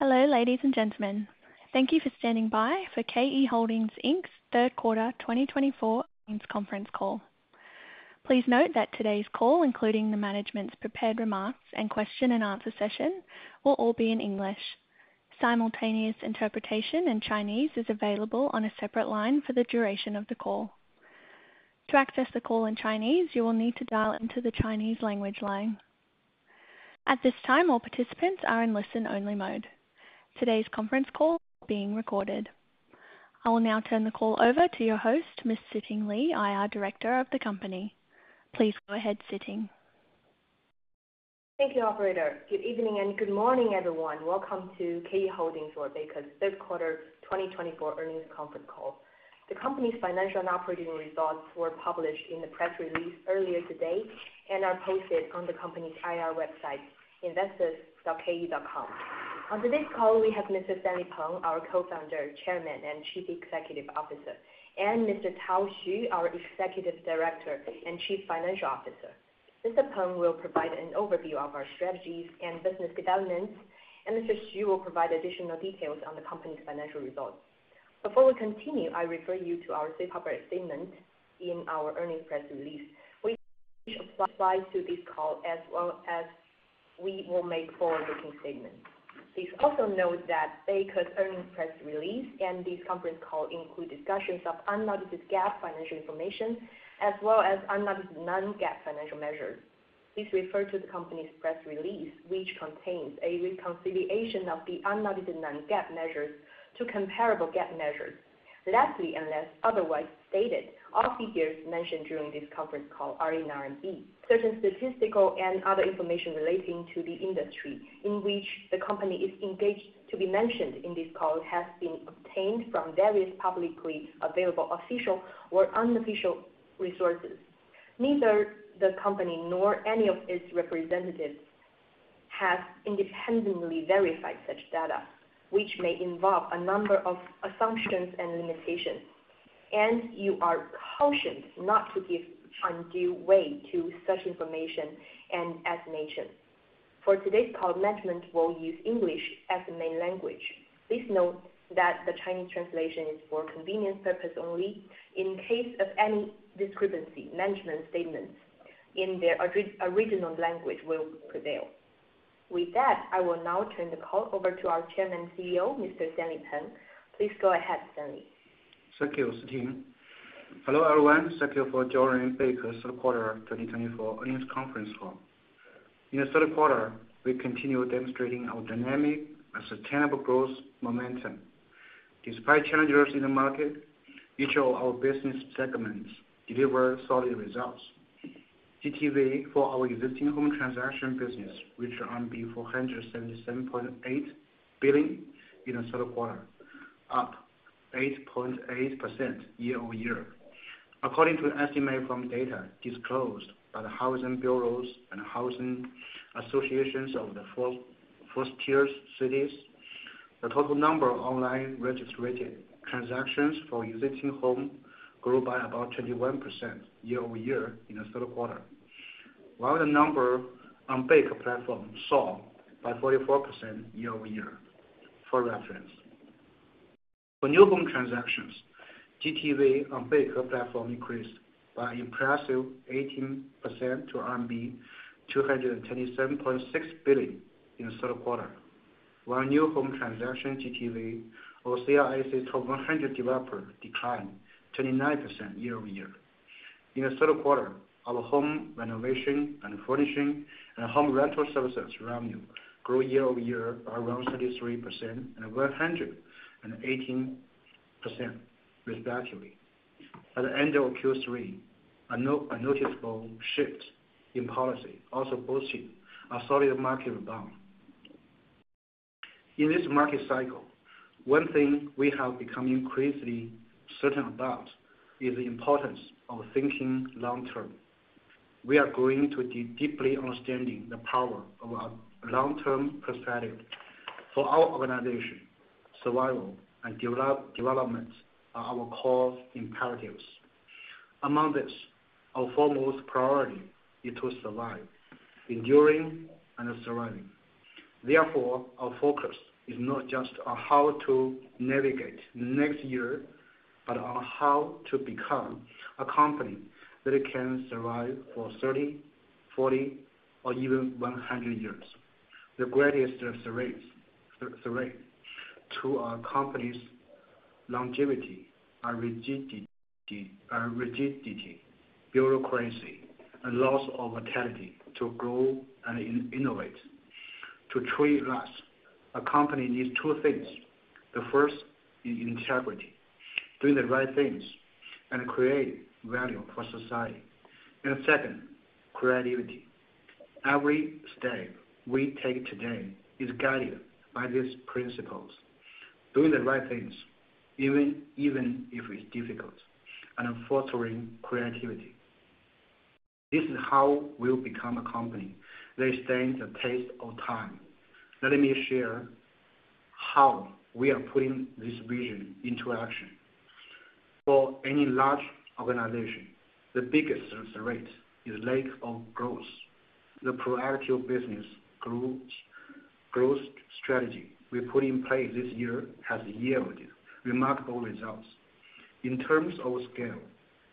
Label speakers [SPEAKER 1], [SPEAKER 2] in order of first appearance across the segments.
[SPEAKER 1] Hello, ladies and gentlemen. Thank you for standing by for KE Holdings Inc.'s Third Quarter 2024 Earnings Conference Call. Please note that today's call, including the management's prepared remarks and question-and-answer session, will all be in English. Simultaneous interpretation in Chinese is available on a separate line for the duration of the call. To access the call in Chinese, you will need to dial into the Chinese language line. At this time, all participants are in listen-only mode. Today's conference call is being recorded. I will now turn the call over to your host, Ms. Siting Li, IR Director of the company. Please go ahead, Siting.
[SPEAKER 2] Thank you, Operator. Good evening and good morning, everyone. Welcome to KE Holdings' or Beike's third quarter 2024 earnings conference call. The company's financial and operating results were published in the press release earlier today and are posted on the company's IR website, investors.ke.com. On today's call, we have Mr. Stanley Peng, our co-founder, chairman, and Chief Executive Officer, and Mr. Tao Xu, our executive director and chief financial officer. Mr. Peng will provide an overview of our strategies and business developments, and Mr. Xu will provide additional details on the company's financial results. Before we continue, I refer you to our three-part statement in our earnings press release, which applies to this call, as well as we will make forward-looking statements. Please also note that Beike's earnings press release and this conference call include discussions of non-GAAP financial information, as well as non-GAAP financial measures. Please refer to the company's press release, which contains a reconciliation of the non-GAAP measures to comparable GAAP measures. Lastly, unless otherwise stated, all figures mentioned during this conference call are in RMB. Certain statistical and other information relating to the industry in which the company is engaged is to be mentioned in this call has been obtained from various publicly available official or unofficial sources. Neither the company nor any of its representatives has independently verified such data, which may involve a number of assumptions and limitations, and you are cautioned not to give undue weight to such information and estimations. For today's call, management will use English as the main language. Please note that the Chinese translation is for convenience purposes only. In case of any discrepancy, management statements in their original language will prevail. With that, I will now turn the call over to our Chairman and CEO, Mr. Stanley Peng. Please go ahead, Stanley.
[SPEAKER 3] Thank you, Siting. Hello, everyone. Thank you for joining Beike's third quarter 2024 earnings conference call. In the third quarter, we continue demonstrating our dynamic and sustainable growth momentum. Despite challenges in the market, each of our business segments delivers solid results. GTV for our existing home transaction business reached RMB 477.8 billion in the third quarter, up 8.8% year-over-year. According to estimates from data disclosed by the housing bureaus and housing associations of the third quarter cities, the total number of online registered transactions for existing homes grew by about 21% year-over-year in the third quarter, while the number on Beike platform grew by 44% year-over-year. For reference, for new home transactions, GTV on Beike platform increased by an impressive 18% to RMB 227.6 billion in the third quarter, while new home transaction GTV for CRIC top 100 developers declined 29% year-over-year. In the third quarter, our home renovation and furnishing and home rental services revenue grew year-over-year by around 33% and 118%, respectively. At the end of Q3, a noticeable shift in policy also boosted our solid market rebound. In this market cycle, one thing we have become increasingly certain about is the importance of thinking long-term. We are going to deeply understand the power of our long-term perspective. For our organization, survival and development are our core imperatives. Among these, our foremost priority is to survive, enduring, and surviving. Therefore, our focus is not just on how to navigate the next year, but on how to become a company that can survive for 30, 40, or even 100 years. The greatest threat to our company's longevity are rigidity, bureaucracy, and loss of vitality to grow and innovate. To truly last, a company needs two things. The first is integrity, doing the right things and creating value for society, and second, creativity. Every step we take today is guided by these principles. Doing the right things, even if it's difficult, and fostering creativity. This is how we'll become a company that stands the test of time. Let me share how we are putting this vision into action. For any large organization, the biggest threat is the lack of growth. The priority of business growth strategy we put in place this year has yielded remarkable results. In terms of scale,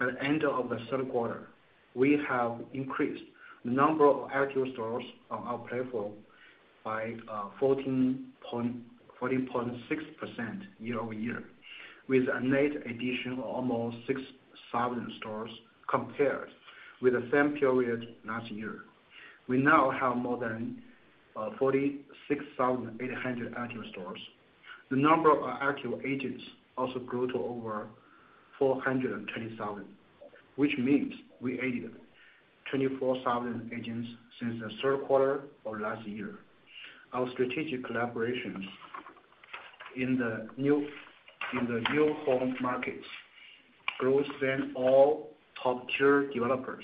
[SPEAKER 3] at the end of the third quarter, we have increased the number of active stores on our platform by 14.6% year-over-year, with a net addition of almost 6,000 stores compared with the same period last year. We now have more than 46,800 active stores. The number of our agents also grew to over 420,000, which means we added 24,000 agents since the third quarter of last year. Our strategic collaborations in the new home markets outgrew all top-tier developers.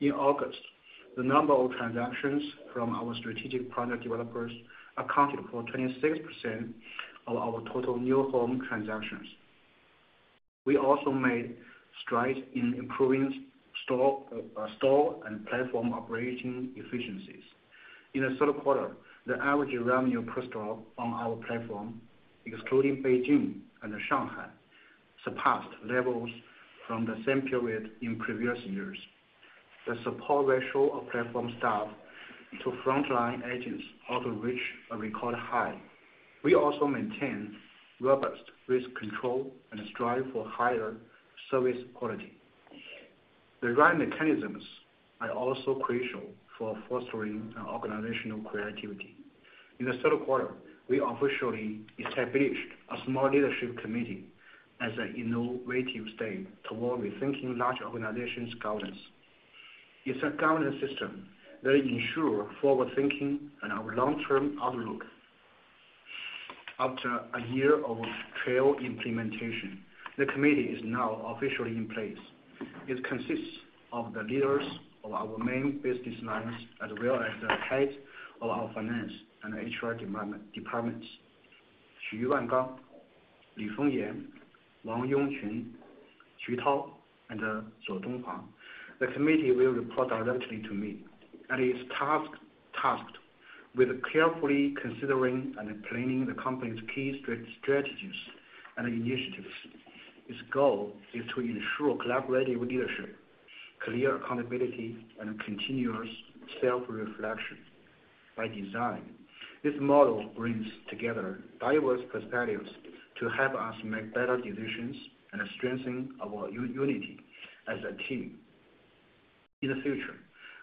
[SPEAKER 3] In August, the number of transactions from our strategic project developers accounted for 26% of our total new home transactions. We also made strides in improving store and platform operating efficiencies. In the third quarter, the average revenue per store on our platform, excluding Beijing and Shanghai, surpassed levels from the same period in previous years. The support ratio of platform staff to frontline agents also reached a record high. We also maintained robust risk control and strive for higher service quality. The right mechanisms are also crucial for fostering organizational creativity. In the third quarter, we officially established a small leadership committee as an innovative step toward rethinking large organizations' governance. It's a governance system that ensures forward-thinking and our long-term outlook. After a year of failed implementation, the committee is now officially in place. It consists of the leaders of our main business lines, as well as the heads of our finance and HR departments: Xu Wangang, Li Fengyan, Wang Yongqun, Xu Tao, and Zhu Dong. The committee will report directly to me, and it's tasked with carefully considering and planning the company's key strategies and initiatives. Its goal is to ensure collaborative leadership, clear accountability, and continuous self-reflection by design. This model brings together diverse perspectives to help us make better decisions and strengthen our unity as a team. In the future,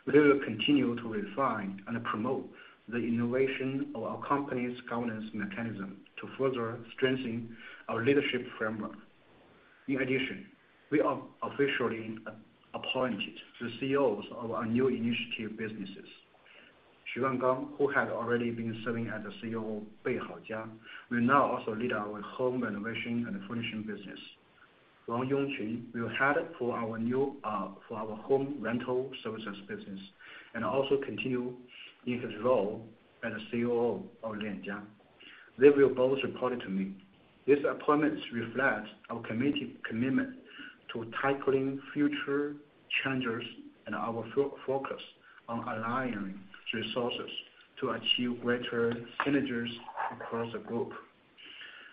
[SPEAKER 3] we will continue to refine and promote the innovation of our company's governance mechanism to further strengthen our leadership framework. In addition, we are officially appointed the CEOs of our new initiative businesses. Xu Wangang, who had already been serving as the CEO of Beihaojia, will now also lead our home renovation and furnishing business. Wang Yongqun will head for our home rental services business and also continue in his role as the COO of Lianjia. They will both report to me. These appointments reflect our committee's commitment to tackling future challenges and our focus on aligning resources to achieve greater synergies across the group.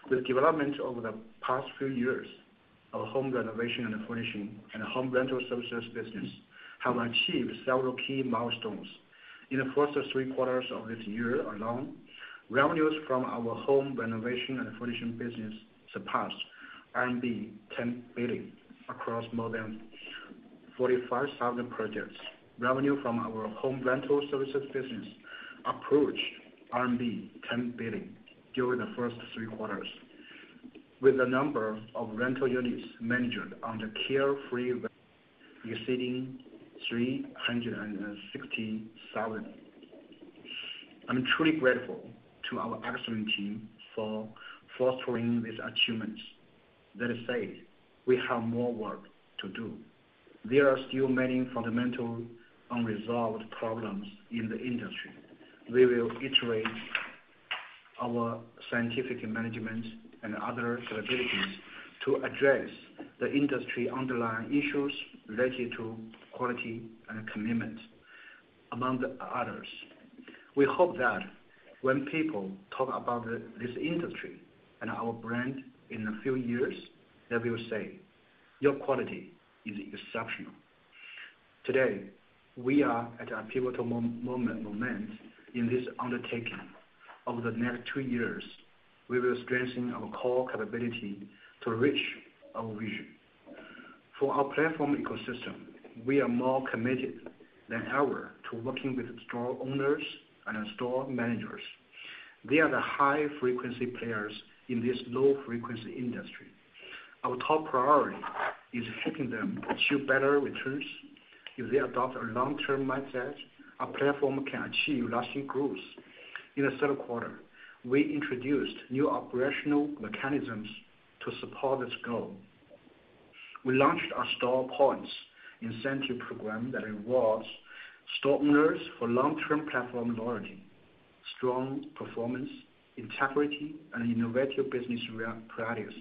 [SPEAKER 3] The development over the past few years of home renovation and furnishing and home rental services business have achieved several key milestones. In the first three quarters of this year alone, revenues from our home renovation and furnishing business surpassed RMB 10 billion across more than 45,000 projects. Revenue from our home rental services business approached RMB 10 billion during the first three quarters, with the number of rental units managed under Carefree exceeding 360,000. I'm truly grateful to our excellent team for fostering these achievements. That said, we have more work to do. There are still many fundamental unresolved problems in the industry. We will iterate our scientific management and other capabilities to address the industry's underlying issues related to quality and commitment, among others. We hope that when people talk about this industry and our brand in a few years, they will say, "Your quality is exceptional." Today, we are at a pivotal moment in this undertaking. Over the next two years, we will strengthen our core capability to reach our vision. For our platform ecosystem, we are more committed than ever to working with store owners and store managers. They are the high-frequency players in this low-frequency industry. Our top priority is helping them achieve better returns. If they adopt a long-term mindset, our platform can achieve lasting growth. In the third quarter, we introduced new operational mechanisms to support this goal. We launched a store points incentive program that rewards store owners for long-term platform loyalty, strong performance, integrity, and innovative business practices.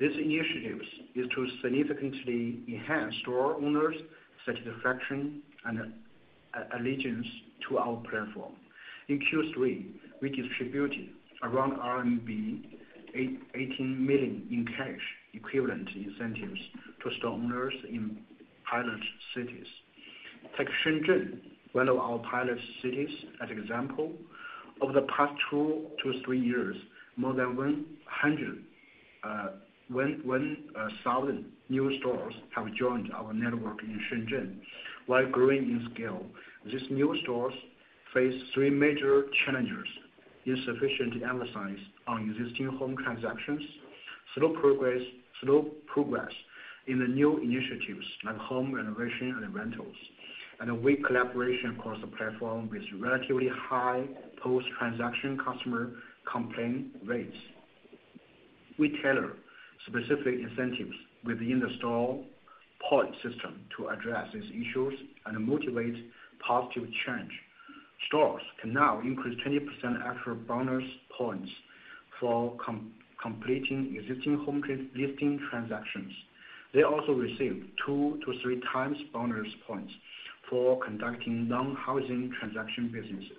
[SPEAKER 3] This initiative is to significantly enhance store owners' satisfaction and allegiance to our platform. In Q3, we distributed around RMB 18 million in cash equivalent incentives to store owners in pilot cities. Take Shenzhen, one of our pilot cities as an example. Over the past two to three years, more than 1,000 new stores have joined our network in Shenzhen. While growing in scale, these new stores face three major challenges: insufficient emphasis on existing home transactions, slow progress in the new initiatives like home renovation and rentals, and weak collaboration across the platform with relatively high post-transaction customer complaint rates. We tailor specific incentives within the store point system to address these issues and motivate positive change. Stores can now increase 20% extra bonus points for completing existing home listing transactions. They also receive two to three times bonus points for conducting non-housing transaction businesses.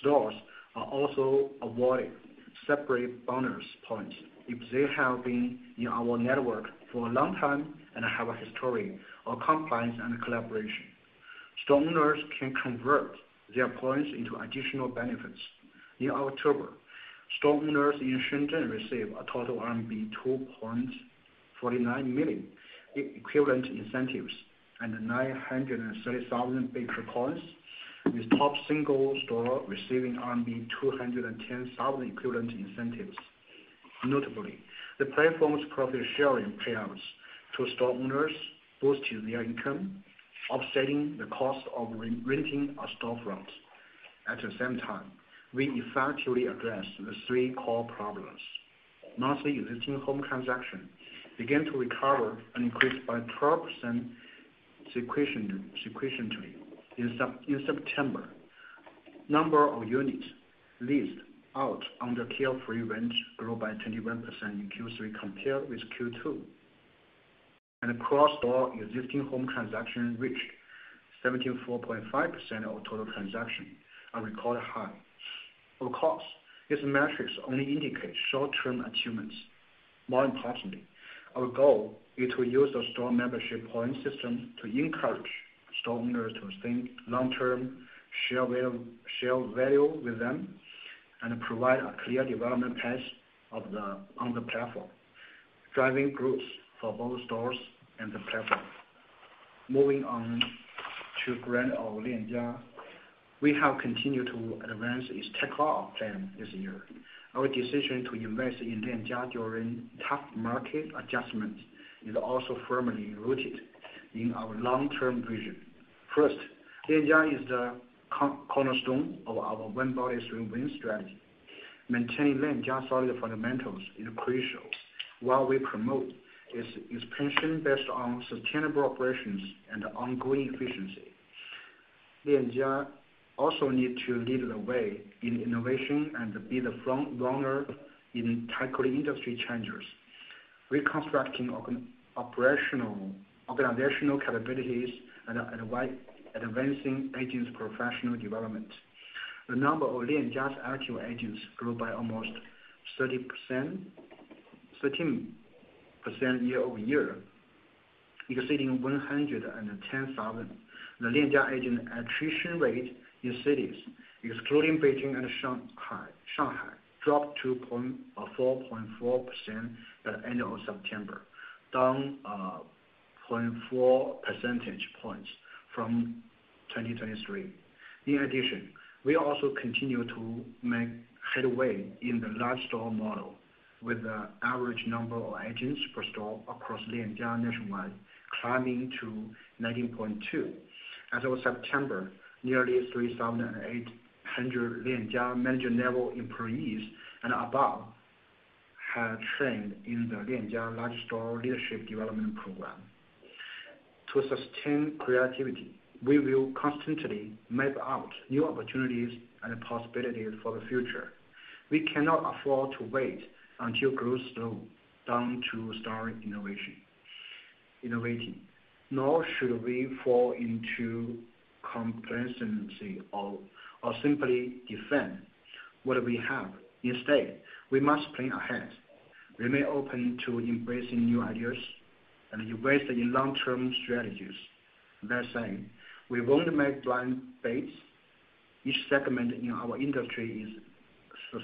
[SPEAKER 3] Stores are also awarded separate bonus points if they have been in our network for a long time and have a history of compliance and collaboration. Store owners can convert their points into additional benefits. In October, store owners in Shenzhen received a total RMB 2.49 million in equivalent incentives and 930,000 Beike Coins, with top single store receiving RMB 210,000 equivalent incentives. Notably, the platform's profit-sharing payouts to store owners boosted their income, offsetting the cost of renting a storefront. At the same time, we effectively addressed the three core problems. Mostly existing home transactions began to recover and increased by 12% sequentially in September. Number of units leased out under carefree rent grew by 21% in Q3 compared with Q2. Across store existing home transactions reached 74.5% of total transactions, a record high. Of course, these metrics only indicate short-term achievements. More importantly, our goal is to use the store membership points system to encourage store owners to think long-term, share value with them, and provide a clear development path on the platform, driving growth for both stores and the platform. Moving on to our Lianjia, we have continued to advance its takeoff plan this year. Our decision to invest in Lianjia during tough market adjustments is also firmly rooted in our long-term vision. First, Lianjia is the cornerstone of our One Body, Three Wings strategy. Maintaining Lianjia's solid fundamentals is crucial while we promote its expansion based on sustainable operations and ongoing efficiency. Lianjia also needs to lead the way in innovation and be the front runner in tackling industry challenges, reconstructing organizational capabilities, and advancing agents' professional development. The number of Lianjia's elite agents grew by almost 13% year-over-year, exceeding 110,000. The Lianjia agent attrition rate in cities, excluding Beijing and Shanghai, dropped to 4.4% at the end of September, down 0.4 percentage points from 2023. In addition, we also continue to lead the way in the large store model with the average number of agents per store across Lianjia nationwide, climbing to 19.2. As of September, nearly 3,800 Lianjia manager-level employees and above had trained in the Lianjia large store leadership development program. To sustain creativity, we will constantly map out new opportunities and possibilities for the future. We cannot afford to wait until growth slows down to start innovating. Nor should we fall into complacency or simply defend what we have. Instead, we must plan ahead. We must be open to embracing new ideas and embrace the long-term strategies. That said, we won't make blind bets. Each segment in our industry is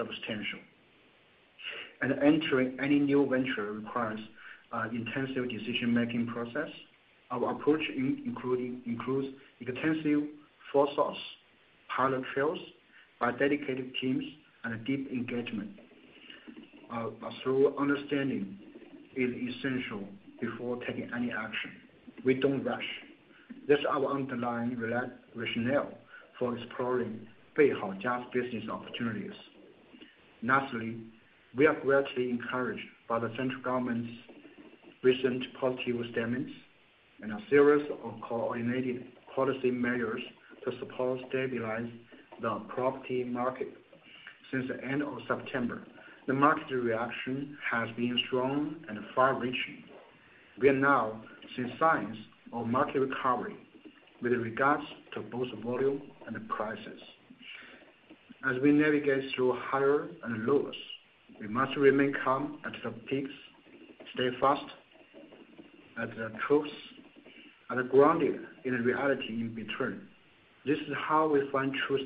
[SPEAKER 3] substantial, and entering any new venture requires an intensive decision-making process. Our approach includes extensive foresight, pilot trials by dedicated teams, and deep engagement through understanding, it is essential before taking any action. We don't rush. That's our underlying rationale for exploring Beihaojia's business opportunities. Lastly, we are greatly encouraged by the central government's recent positive statements and a series of coordinated policy measures to support and stabilize the property market. Since the end of September, the market reaction has been strong and far-reaching. We are now seeing signs of market recovery with regards to both volume and prices. As we navigate through higher and lows, we must remain calm at the peaks, stay fast at the troughs, and grounded in reality in between. This is how we find true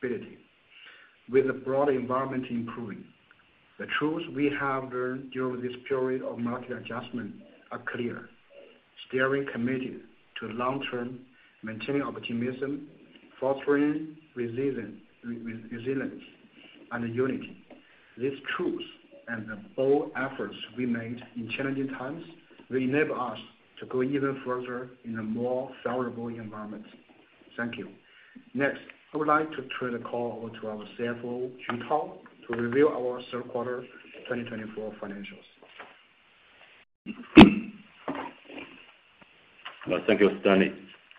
[SPEAKER 3] stability. With the broader environment improving, the truths we have learned during this period of market adjustment are clear. Steering committee to long-term maintaining optimism, fostering resilience, and unity. These truths and bold efforts we made in challenging times will enable us to go even further in a more favorable environment. Thank you. Next, I would like to turn the call over to our Chief Financial Officer, Tao Xu, to review our third quarter 2024 financials.
[SPEAKER 4] Thank you, Stanley,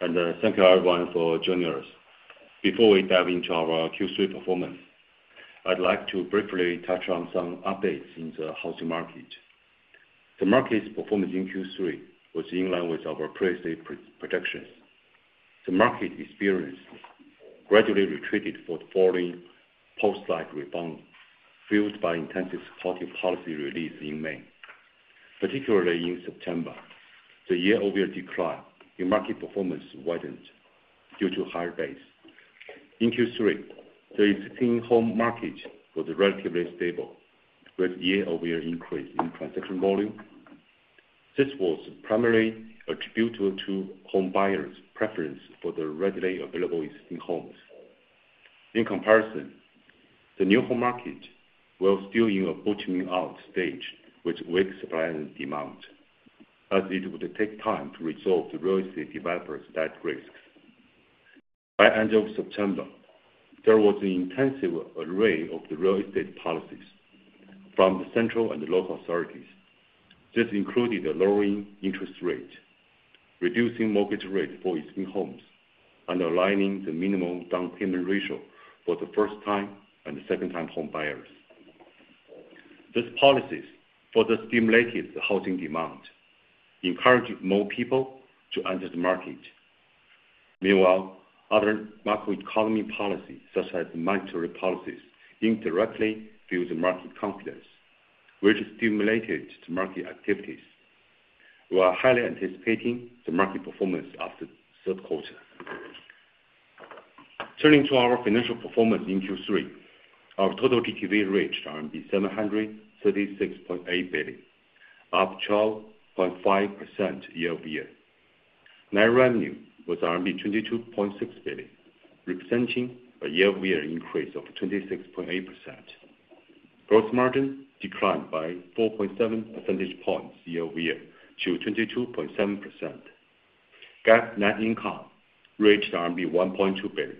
[SPEAKER 4] and thank you, everyone, for joining us. Before we dive into our Q3 performance, I'd like to briefly touch on some updates in the housing market. The market's performance in Q3 was in line with our previous predictions. The market experienced a gradual retreat following the post-policy rebound, fueled by intensive supportive policy releases in May. Particularly in September, the year-over-year decline in market performance widened due to higher base. In Q3, the existing home market was relatively stable with year-over-year increase in transaction volume. This was primarily attributed to home buyers' preference for the readily available existing homes. In comparison, the new home market was still in a bottoming-out stage with weak supply and demand, as it would take time to resolve the real estate developers' debt risks. By the end of September, there was an intensive array of real estate policies from the central and local authorities. This included lowering interest rates, reducing mortgage rates for existing homes, and aligning the minimum down payment ratio for the first-time and second-time home buyers. These policies further stimulated the housing demand, encouraging more people to enter the market. Meanwhile, other macroeconomic policies, such as monetary policies, indirectly fueled market confidence, which stimulated the market activities. We are highly anticipating the market performance after the third quarter. Turning to our financial performance in Q3, our total GTV reached 736.8 billion, up 12.5% year-over-year. Net revenue was 22.6 billion, representing a year-over-year increase of 26.8%. Gross margin declined by 4.7 percentage points year-over-year to 22.7%. GAAP net income reached RMB 1.2 billion,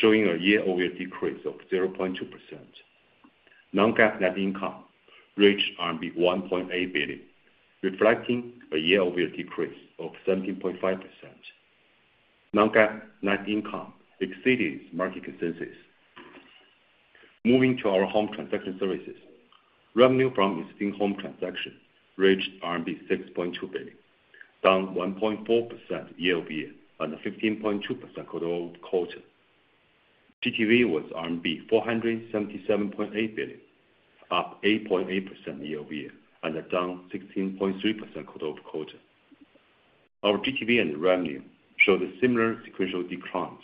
[SPEAKER 4] showing a year-over-year decrease of 0.2%. Non-GAAP net income reached RMB 1.8 billion, reflecting a year-over-year decrease of 17.5%. Non-GAAP net income exceeded market consensus. Moving to our home transaction services, revenue from existing home transactions reached RMB 6.2 billion, down 1.4% year-over-year and 15.2% quarter-over-quarter. GTV was RMB 477.8 billion, up 8.8% year-over-year and down 16.3% quarter-over-quarter. Our GTV and revenue showed similar sequential declines,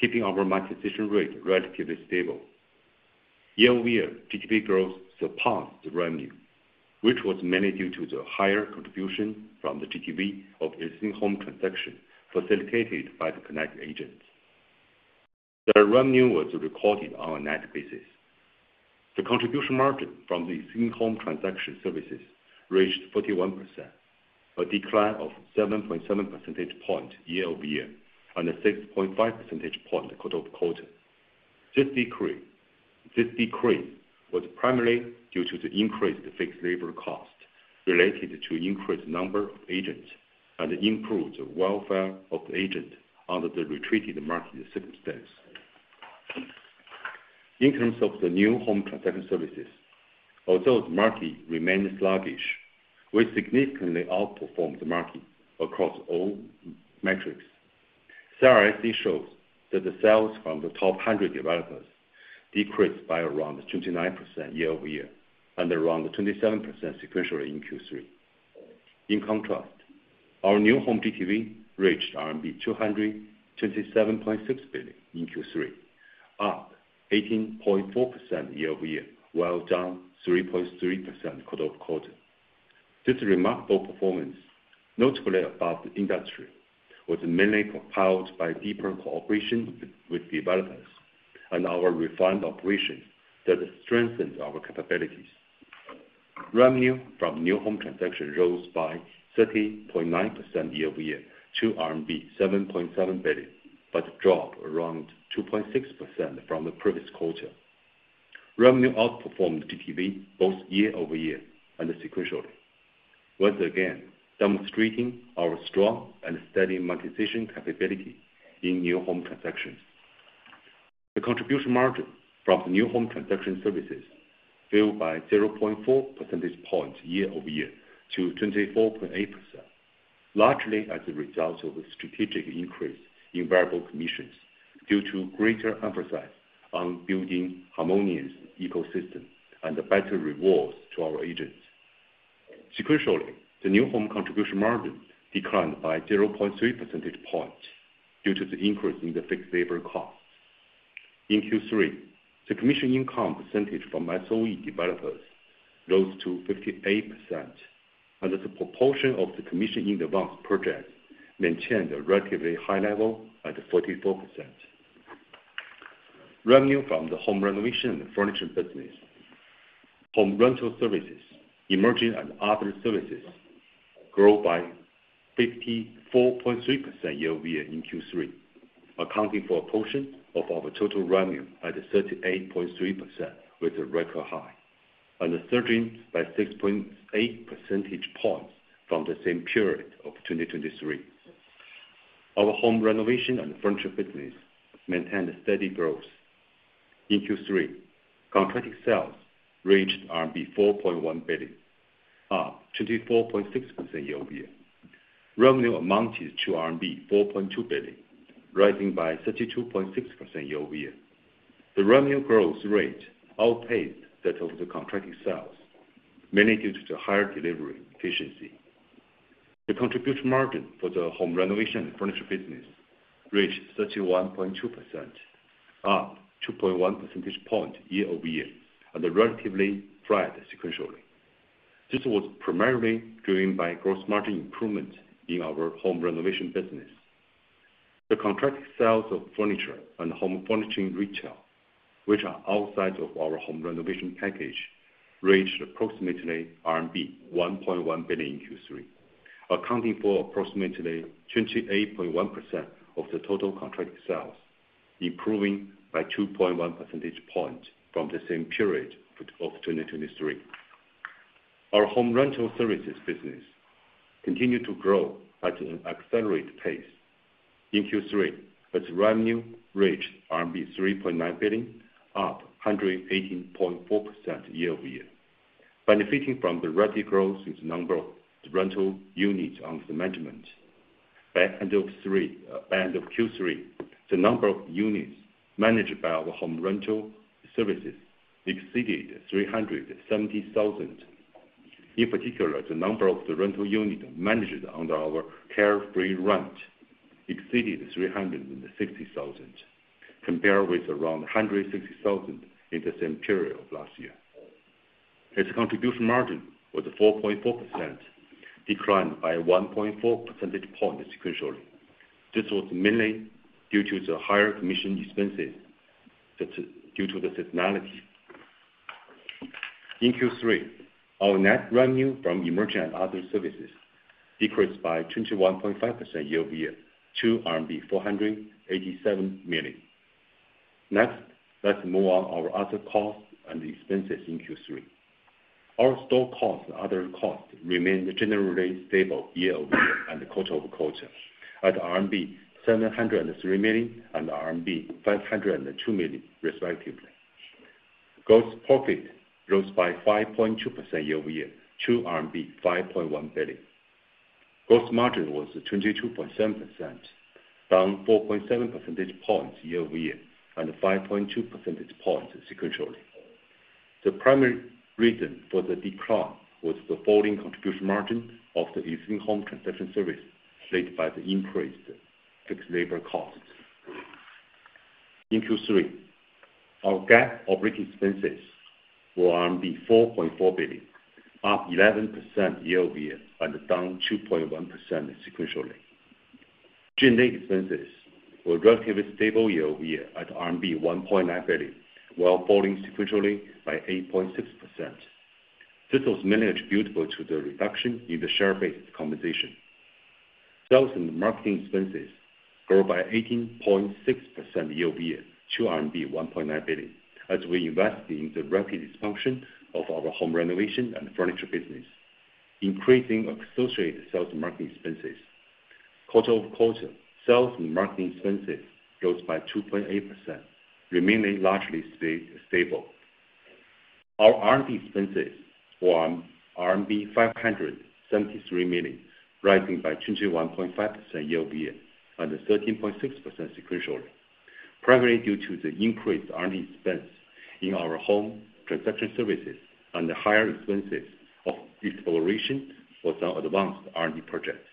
[SPEAKER 4] keeping our monetization rate relatively stable. Year-over-year, GTV growth surpassed revenue, which was mainly due to the higher contribution from the GTV of existing home transactions facilitated by the connect agents. The revenue was recorded on a net basis. The contribution margin from the existing home transaction services reached 41%, a decline of 7.7 percentage points year-over-year and 6.5 percentage points quarter-over-quarter. This decrease was primarily due to the increased fixed labor cost related to increased number of agents and improved welfare of the agent under the retreated market circumstance. In terms of the new home transaction services, although the market remained sluggish, we significantly outperformed the market across all metrics. CRIC shows that the sales from the top 100 developers decreased by around 29% year-over-year and around 27% sequentially in Q3. In contrast, our new home GTV reached RMB 227.6 billion in Q3, up 18.4% year-over-year, while down 3.3% quarter-over-quarter. This remarkable performance, notably above the industry, was mainly propelled by deeper cooperation with developers and our refined operations that strengthened our capabilities. Revenue from new home transactions rose by 13.9% year-over-year to RMB 7.7 billion, but dropped around 2.6% from the previous quarter. Revenue outperformed GTV both year-over-year and sequentially, once again demonstrating our strong and steady monetization capability in new home transactions. The contribution margin from the new home transaction services fell by 0.4 percentage points year-over-year to 24.8%, largely as a result of the strategic increase in variable commissions due to greater emphasis on building a harmonious ecosystem and better rewards to our agents. Sequentially, the new home contribution margin declined by 0.3 percentage points due to the increase in the fixed labor costs. In Q3, the commission income percentage from SOE developers rose to 58%, and the proportion of the commission in advance projects maintained a relatively high level at 44%. Revenue from the home renovation and furniture business, home rental services, emerging, and other services grew by 54.3% year-over-year in Q3, accounting for a portion of our total revenue at 38.3%, which is a record high, and surging by 6.8 percentage points from the same period of 2023. Our home renovation and furniture business maintained steady growth. In Q3, contract sales reached RMB 4.1 billion, up 24.6% year-over-year. Revenue amounted to RMB 4.2 billion, rising by 32.6% year-over-year. The revenue growth rate outpaced that of the contract sales, mainly due to the higher delivery efficiency. The contribution margin for the home renovation and furniture business reached 31.2%, up 2.1 percentage points year-over-year, and relatively flat sequentially. This was primarily driven by gross margin improvement in our home renovation business. The contract sales of furniture and home furnishing retail, which are outside of our home renovation package, reached approximately RMB 1.1 billion in Q3, accounting for approximately 28.1% of the total contract sales, improving by 2.1 percentage points from the same period of 2023. Our home rental services business continued to grow at an accelerated pace. In Q3, its revenue reached RMB 3.9 billion, up 118.4% year-over-year, benefiting from the rapid growth in the number of rental units under management. By end of Q3, the number of units managed by our home rental services exceeded 370,000. In particular, the number of the rental units managed under our Carefree Rent exceeded 360,000, compared with around 160,000 in the same period of last year. Its contribution margin was 4.4%, declined by 1.4 percentage points sequentially. This was mainly due to the higher commission expenses due to the seasonality. In Q3, our net revenue from emerging and other services decreased by 21.5% year-over-year to RMB 487 million. Next, let's move on to our other costs and expenses in Q3. Our store costs and other costs remained generally stable year-over-year and quarter-over-quarter, at 703 million RMB and RMB 502 million, respectively. Gross profit rose by 5.2% year-over-year to RMB 5.1 billion. Gross margin was 22.7%, down 4.7 percentage points year-over-year and 5.2 percentage points sequentially. The primary reason for the decline was the falling contribution margin of the existing home transaction service, led by the increased fixed labor costs. In Q3, our GAAP operating expenses were 4.4 billion, up 11% year-over-year and down 2.1% sequentially. G&A expenses were relatively stable year-over-year at RMB 1.9 billion, while falling sequentially by 8.6%. This was mainly attributable to the reduction in the share-based compensation. Sales and marketing expenses grew by 18.6% year-over-year to 1.9 billion, as we invested in the rapid expansion of our home renovation and furniture business, increasing associated sales and marketing expenses. Quarter-over-quarter, sales and marketing expenses rose by 2.8%, remaining largely stable. Our R&D expenses were RMB 573 million, rising by 21.5% year-over-year and 13.6% sequentially, primarily due to the increased R&D expense in our home transaction services and the higher expenses of exploration for some advanced R&D projects.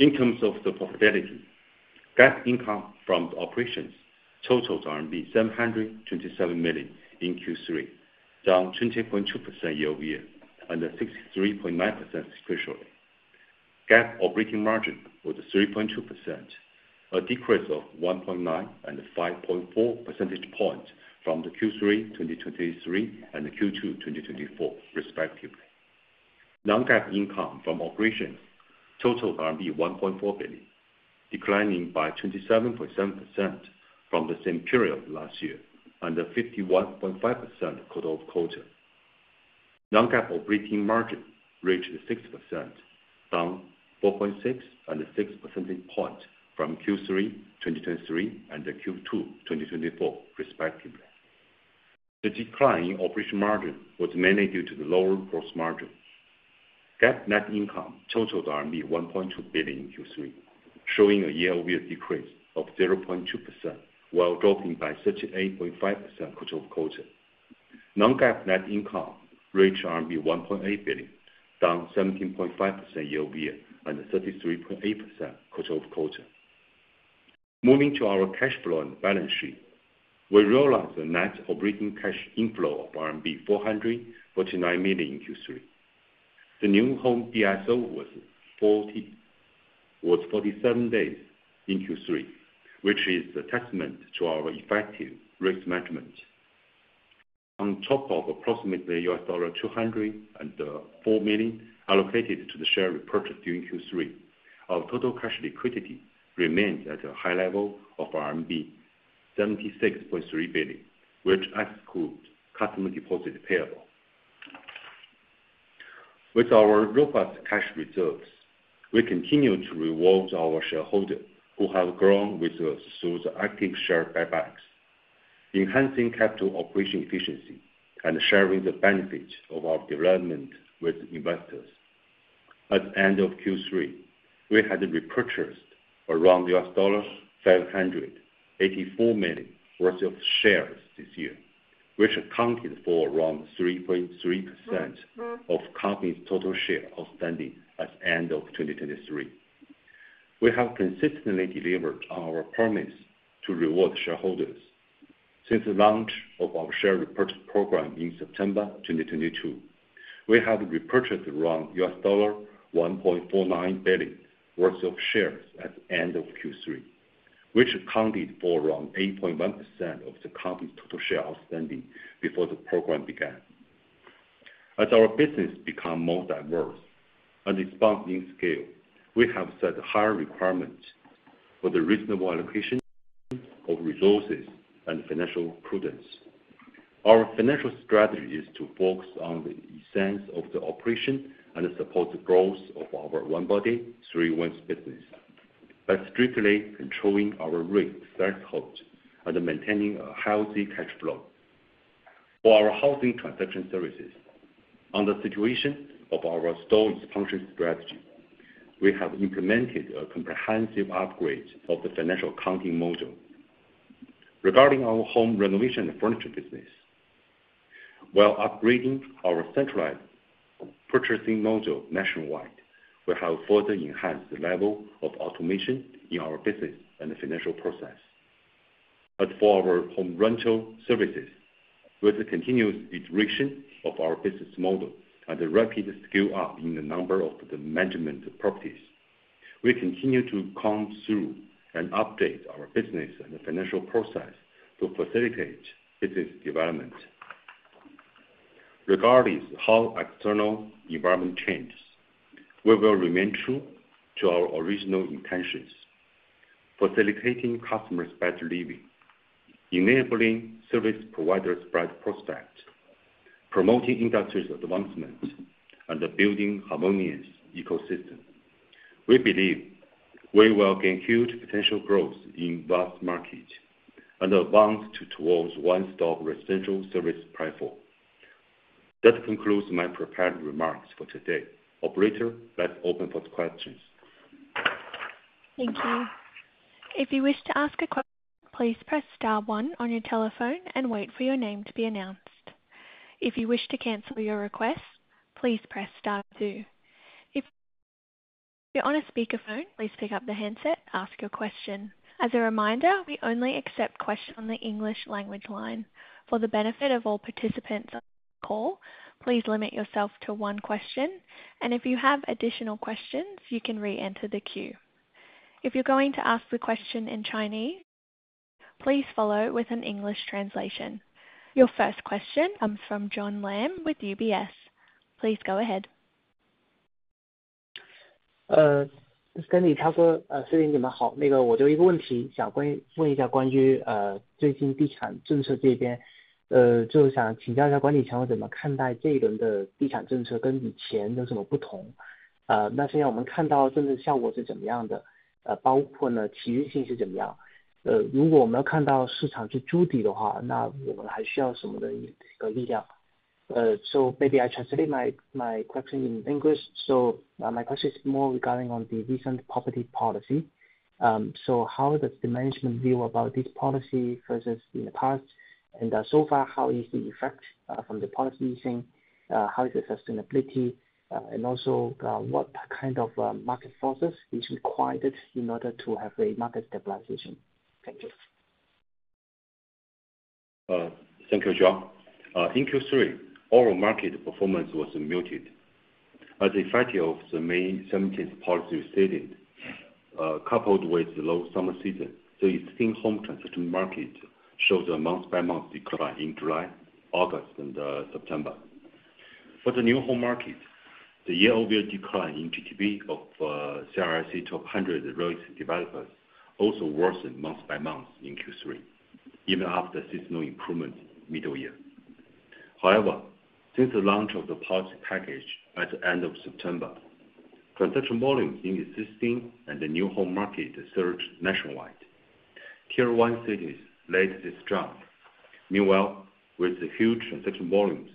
[SPEAKER 4] In terms of the profitability, GAAP income from the operations totaled RMB 727 million in Q3, down 20.2% year-over-year and 63.9% sequentially. GAAP operating margin was 3.2%, a decrease of 1.9 and 5.4 percentage points from the Q3 2023 and Q2 2024, respectively. Non-GAAP income from operations totaled RMB 1.4 billion, declining by 27.7% from the same period of last year and 51.5% quarter-over-quarter. Non-GAAP operating margin reached 6%, down 4.6 and 6 percentage points from Q3 2023 and Q2 2024, respectively. The decline in operating margin was mainly due to the lower gross margin. GAAP net income totaled RMB 1.2 billion in Q3, showing a year-over-year decrease of 0.2%, while dropping by 38.5% quarter-over-quarter. Non-GAAP net income reached RMB 1.8 billion, down 17.5% year-over-year and 33.8% quarter-over-quarter. Moving to our cash flow and balance sheet, we realized a net operating cash inflow of RMB 449 million in Q3. The new home DSO was 47 days in Q3, which is a testament to our effective risk management. On top of approximately $204 million allocated to the share repurchase during Q3, our total cash liquidity remains at a high level of RMB 76.3 billion, which excludes customer deposit payable. With our robust cash reserves, we continue to reward our shareholders who have grown resources through the acting share buybacks, enhancing capital operation efficiency and sharing the benefits of our development with investors. At the end of Q3, we had repurchased around $584 million worth of shares this year, which accounted for around 3.3% of company's total share outstanding at the end of 2023. We have consistently delivered on our promise to reward shareholders. Since the launch of our share repurchase program in September 2022, we have repurchased around $1.49 billion worth of shares at the end of Q3, which accounted for around 8.1% of the company's total share outstanding before the program began. As our business becomes more diverse and expands in scale, we have set higher requirements for the reasonable allocation of resources and financial prudence. Our financial strategy is to focus on the essence of the operation and support the growth of our One Body, Three Wings business by strictly controlling our risk thresholds and maintaining a healthy cash flow. For our housing transaction services, under the situation of our store expansion strategy, we have implemented a comprehensive upgrade of the financial accounting module. Regarding our home renovation and furnishing business, while upgrading our centralized purchasing module nationwide, we have further enhanced the level of automation in our business and the financial process. As for our home rental services, with the continuous iteration of our business model and the rapid scale-up in the number of the management properties, we continue to comb through and update our business and the financial process to facilitate business development. Regardless of how external environment changes, we will remain true to our original intentions: facilitating customers' better living, enabling service providers' bright prospects, promoting industry's advancement, and building a harmonious ecosystem. We believe we will gain huge potential growth in vast markets and advance towards one-stop residential service platform. That concludes my prepared remarks for today. Operator, let's open for the questions. Thank you.
[SPEAKER 1] If you wish to ask a question, please press star one on your telephone and wait for your name to be announced. If you wish to cancel your request, please press star two. If you're on a speakerphone, please pick up the handset and ask your question. As a reminder, we only accept questions on the English language line. For the benefit of all participants on the call, please limit yourself to one question, and if you have additional questions, you can re-enter the queue. If you're going to ask the question in Chinese, please follow with an English translation. Your first question comes from John Lam with UBS. Please go ahead.
[SPEAKER 5] 这边是管理员，好。那个，我就一个问题想问一下关于最近地产政策这边，就是想请教一下管理层怎么看待这一轮的地产政策跟以前有什么不同。那现在我们看到政策效果是怎么样的，包括呢，企业性是怎么样。如果我们要看到市场去筑底的话，那我们还需要什么的力量。So maybe I translate my question in English. So my question is more regarding the recent property policy. So how does the management view about this policy versus in the past? And so far, how is the effect from the policy? How is the sustainability? And also, what kind of market forces are required in order to have a market stabilization? Thank you.
[SPEAKER 4] Thank you, John. In Q3, overall market performance was muted as the effect of the May 17th policy resilience, coupled with the low summer season. So existing home transaction market showed a month-by-month decline in July, August, and September. For the new home market, the year-over-year decline in sales of CRIC 100 real estate developers also worsened month-by-month in Q3, even after seasonal improvement mid-year. However, since the launch of the policy package at the end of September, transaction volumes in existing and the new home market surged nationwide. Tier 1 cities led this surge. Meanwhile, with the huge transaction volumes,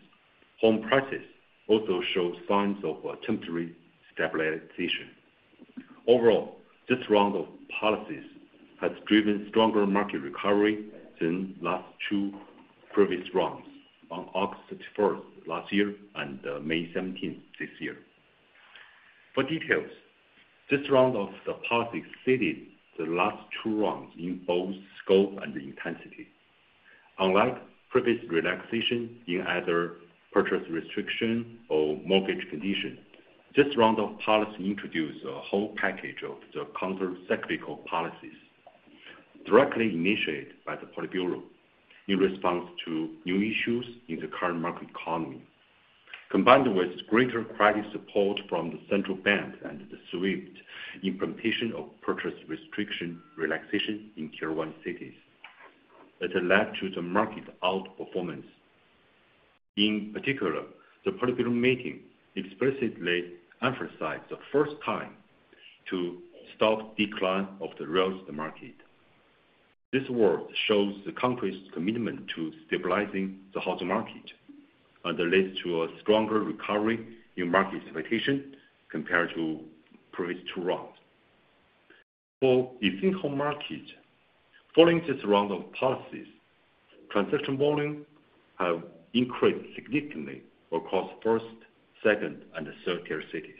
[SPEAKER 4] home prices also showed signs of temporary stabilization. Overall, this round of policies has driven stronger market recovery than the last two previous rounds on August 31st last year and May 17th this year. For details, this round of the policy exceeded the last two rounds in both scope and intensity. Unlike previous relaxation in either purchase restriction or mortgage condition, this round of policy introduced a whole package of the countercyclical policies directly initiated by the Politburo in response to new issues in the current market economy. Combined with greater credit support from the central bank and the policy shift, implementation of purchase restriction relaxation in Tier 1 cities led to the market outperformance. In particular, the Politburo meeting explicitly emphasized the first time to stop the decline of the real estate market. This work shows the country's commitment to stabilizing the housing market and leads to a stronger recovery in market expectation compared to previous two rounds. For existing home market, following this round of policies, transaction volumes have increased significantly across first-, second-, and third-tier cities.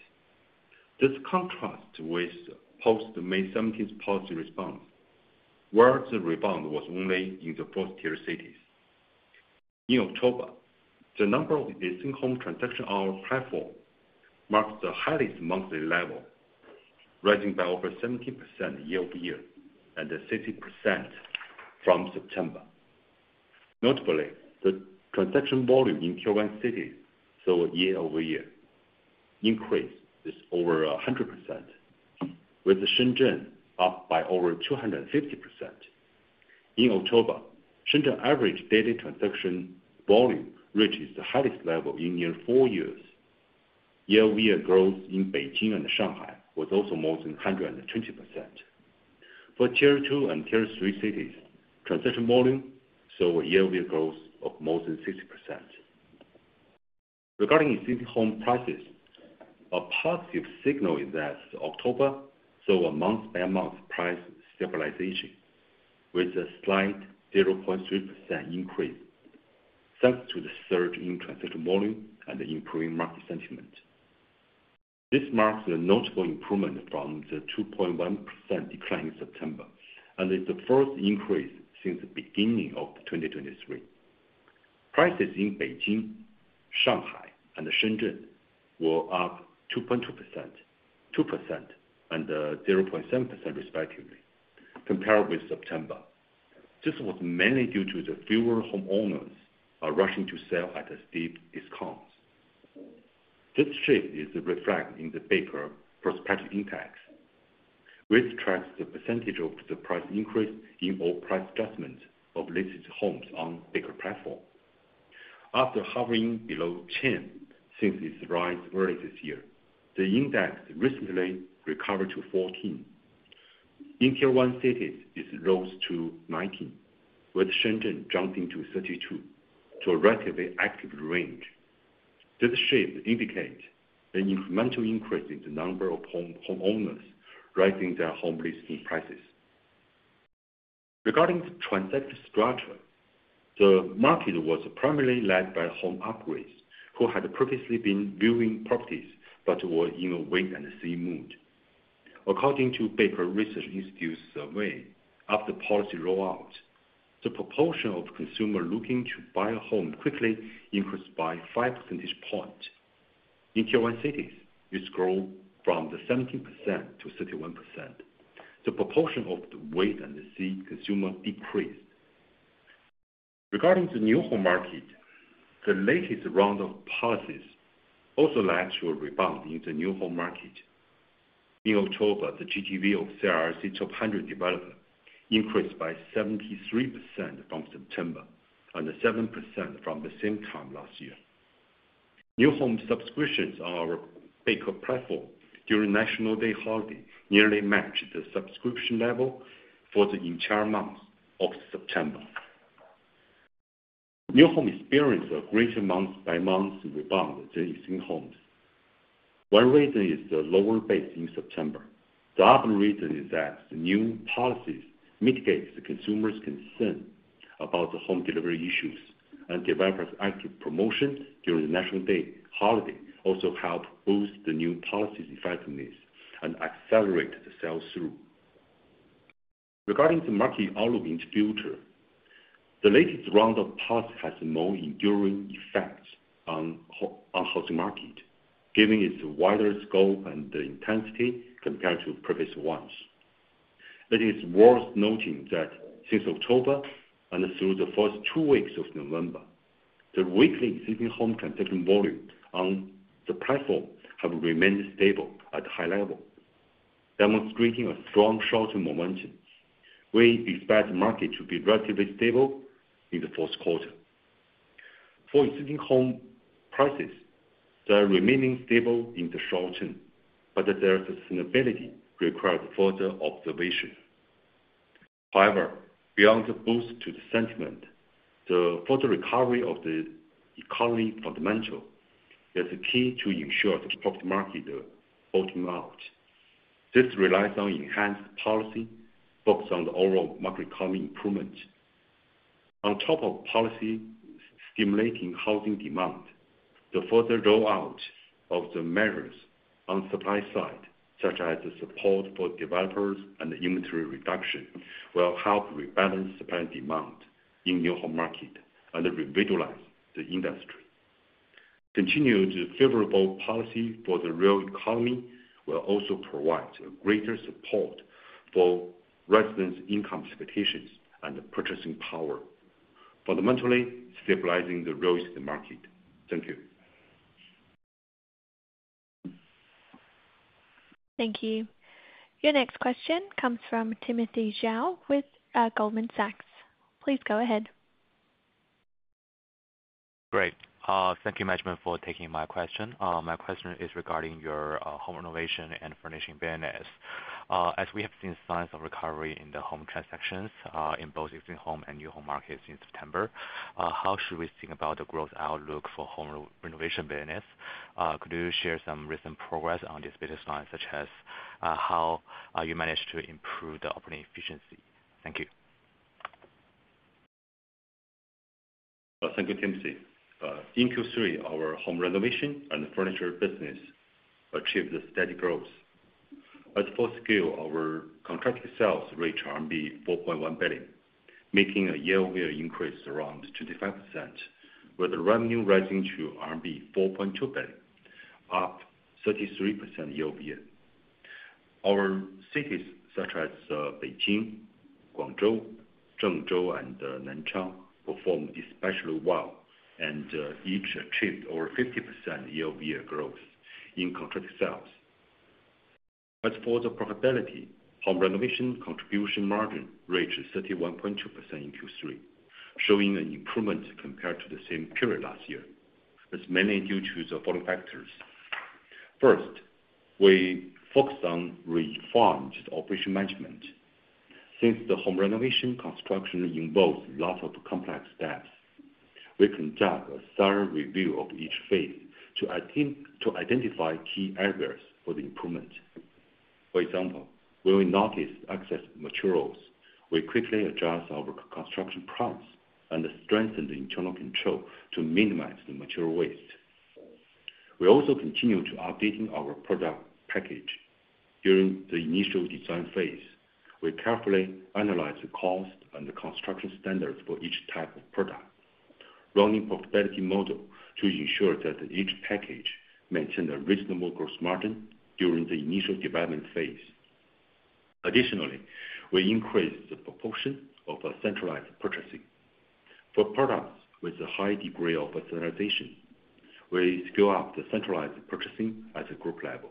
[SPEAKER 4] This contrasts with post-May 17th policy response, where the rebound was only in the fourth-tier cities. In October, the number of existing home transactions on our platform marked the highest monthly level, rising by over 17% year-over-year and 60% from September. Notably, the transaction volume in Tier 1 cities saw year-over-year increase of over 100%, with Shenzhen up by over 250%. In October, Shenzhen's average daily transaction volume reached the highest level in nearly four years. Year-over-year growth in Beijing and Shanghai was also more than 120%. For Tier 2 and Tier 3 cities, transaction volume saw year-over-year growth of more than 60%. Regarding existing home prices, a positive signal is that October saw a month-on-month price stabilization with a slight 0.3% increase thanks to the surge in transaction volume and improving market sentiment. This marks a notable improvement from the 2.1% decline in September and is the first increase since the beginning of 2023. Prices in Beijing, Shanghai, and Shenzhen were up 2.2% and 0.7% respectively compared with September. This was mainly due to the fewer homeowners rushing to sell at steep discounts. This shift is reflected in the Beike price index, which tracks the percentage of the price increase in all price adjustments of listed homes on Beike platform. After hovering below 10 since its rise earlier this year, the index recently recovered to 14. In Tier 1 cities, it rose to 19, with Shenzhen jumping to 32, to a relatively active range. This shift indicates an incremental increase in the number of homeowners raising their home listing prices. Regarding the transaction structure, the market was primarily led by home upgraders who had previously been viewing properties but were in a wait-and-see mood. According to Beike Research Institute's survey, after the policy rollout, the proportion of consumers looking to buy a home quickly increased by 5 percentage points. In Tier 1 cities, it grew from 17% to 31%. The proportion of the wait-and-see consumers decreased. Regarding the new home market, the latest round of policies also led to a rebound in the new home market. In October, the GFA of CRIC 100 developers increased by 73% from September and 7% from the same time last year. New home subscriptions on our Beike platform during National Day holiday nearly matched the subscription level for the entire month of September. New home experienced a greater month-by-month rebound than existing homes. One reason is the lower base in September. The other reason is that the new policies mitigate the consumers' concern about the home delivery issues, and developers' active promotion during the National Day holiday also helped boost the new policy's effectiveness and accelerate the sales through. Regarding the market outlook in the future, the latest round of policy has more enduring effects on the housing market, giving it wider scope and intensity compared to previous ones. It is worth noting that since October and through the first two weeks of November, the weekly existing home transaction volume on the platform has remained stable at a high level, demonstrating a strong short-term momentum. We expect the market to be relatively stable in the fourth quarter. For existing home prices, they are remaining stable in the short term, but their sustainability requires further observation. However, beyond the boost to the sentiment, the further recovery of the economy fundamentals is key to ensure the property market bottom out. This relies on enhanced policy focus on the overall market economy improvement. On top of policy stimulating housing demand, the further rollout of the measures on the supply side, such as support for developers and inventory reduction, will help rebalance supply and demand in the new home market and revitalize the industry. Continued favorable policy for the real economy will also provide greater support for residents' income expectations and purchasing power, fundamentally stabilizing the real estate market. Thank you.
[SPEAKER 1] Thank you. Your next question comes from Timothy Zhao with Goldman Sachs. Please go ahead. Great.
[SPEAKER 6] Thank you, Management, for taking my question. My question is regarding your home renovation and furnishing business. As we have seen signs of recovery in the home transactions in both existing home and new home markets in September, how should we think about the growth outlook for home renovation business? Could you share some recent progress on this business line, such as how you managed to improve the operating efficiency? Thank you.
[SPEAKER 4] Thank you, Timothy. In Q3, our home renovation and furniture business achieved steady growth. In fourth-tier, our contract sales reached RMB 4.1 billion, making a year-over-year increase around 25%, with revenue rising to RMB 4.2 billion, up 33% year-over-year. Our cities, such as Beijing, Guangzhou, Zhengzhou, and Nanchang performed especially well, and each achieved over 50% year-over-year growth in contract sales. As for the profitability, home renovation contribution margin reached 31.2% in Q3, showing an improvement compared to the same period last year. It's mainly due to the following factors. First, we focused on refined operation management. Since the home renovation construction involves lots of complex steps, we conducted a thorough review of each phase to identify key areas for the improvement. For example, when we noticed excess materials, we quickly adjusted our construction price and strengthened the internal control to minimize the material waste. We also continued updating our product package. During the initial design phase, we carefully analyzed the cost and the construction standards for each type of product, running profitability models to ensure that each package maintained a reasonable gross margin during the initial development phase. Additionally, we increased the proportion of centralized purchasing. For products with a high degree of standardization, we scale up the centralized purchasing at the group level.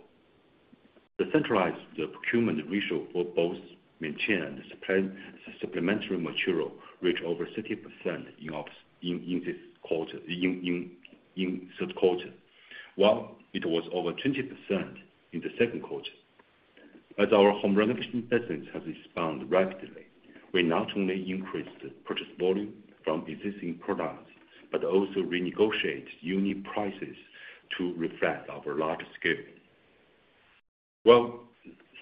[SPEAKER 4] The centralized procurement ratio for both maintained and supplementary material reached over 60% in third quarter, while it was over 20% in the second quarter. As our home renovation business has responded rapidly, we not only increased purchase volume from existing products but also renegotiated unit prices to reflect our large scale. While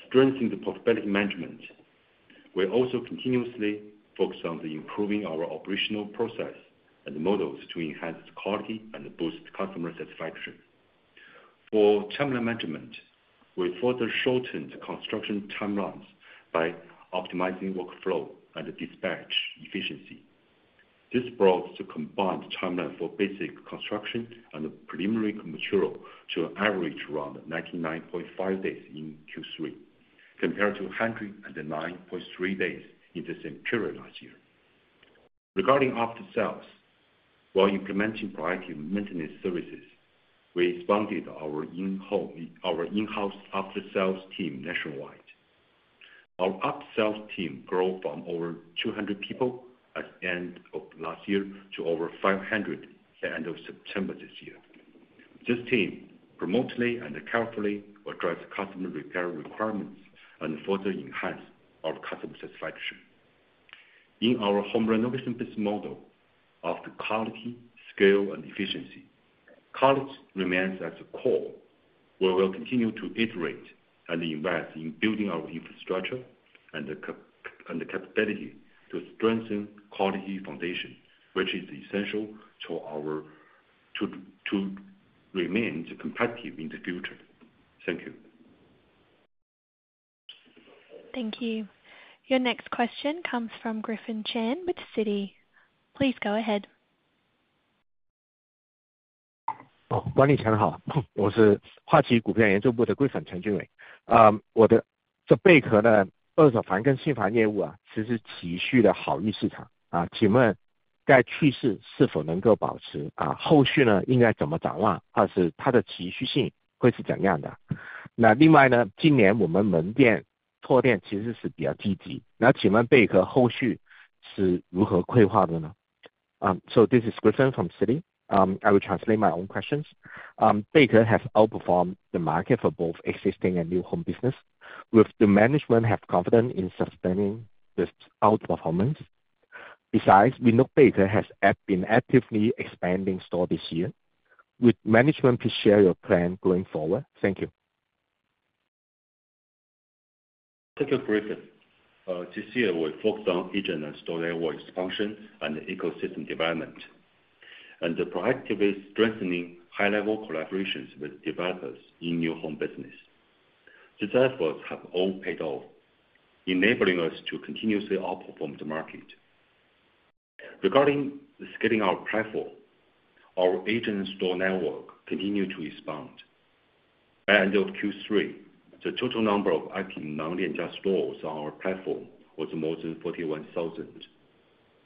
[SPEAKER 4] strengthening the profitability management, we also continuously focused on improving our operational process and models to enhance quality and boost customer satisfaction. For timeline management, we further shortened construction timelines by optimizing workflow and dispatch efficiency. This brought the combined timeline for basic construction and preliminary material to an average around 99.5 days in Q3 compared to 109.3 days in the same period last year. Regarding after-sales, while implementing a variety of maintenance services, we expanded our in-house after-sales team nationwide. Our after-sales team grew from over 200 people at the end of last year to over 500 at the end of September this year. This team remotely and carefully addressed customer repair requirements and further enhanced our customer satisfaction. In our home renovation business model of quality, scale, and efficiency, quality remains at the core. We will continue to iterate and invest in building our infrastructure and the capability to strengthen quality foundation, which is essential to remain competitive in the future. Thank you.
[SPEAKER 1] Thank you. Your next question comes from Griffin Chan with Citi. Please go ahead.
[SPEAKER 7] 管理层好，我是花旗股票研究部的桂粉陈俊伟。我的这贝壳的二手房跟新房业务其实持续的好于市场，请问该趋势是否能够保持？后续应该怎么展望？或者是它的持续性会是怎样的？另外，今年我们门店拓店其实是比较积极，请问贝壳后续是如何规划的呢？ So this is Griffin from Citi. I will translate my own questions. Beike has outperformed the market for both existing and new home business, with the management confident in sustaining this outperformance. Besides, we know Beike has been actively expanding stores this year. Would management please share your plan going forward? Thank you.
[SPEAKER 4] Thank you, Griffin. This year, we focused on agent and store network expansion and ecosystem development, and the proactively strengthening high-level collaborations with developers in new home business. These efforts have all paid off, enabling us to continuously outperform the market. Regarding scaling our platform, our agent and store network continued to expand. By the end of Q3, the total number of IP99+ stores on our platform was more than 41,000,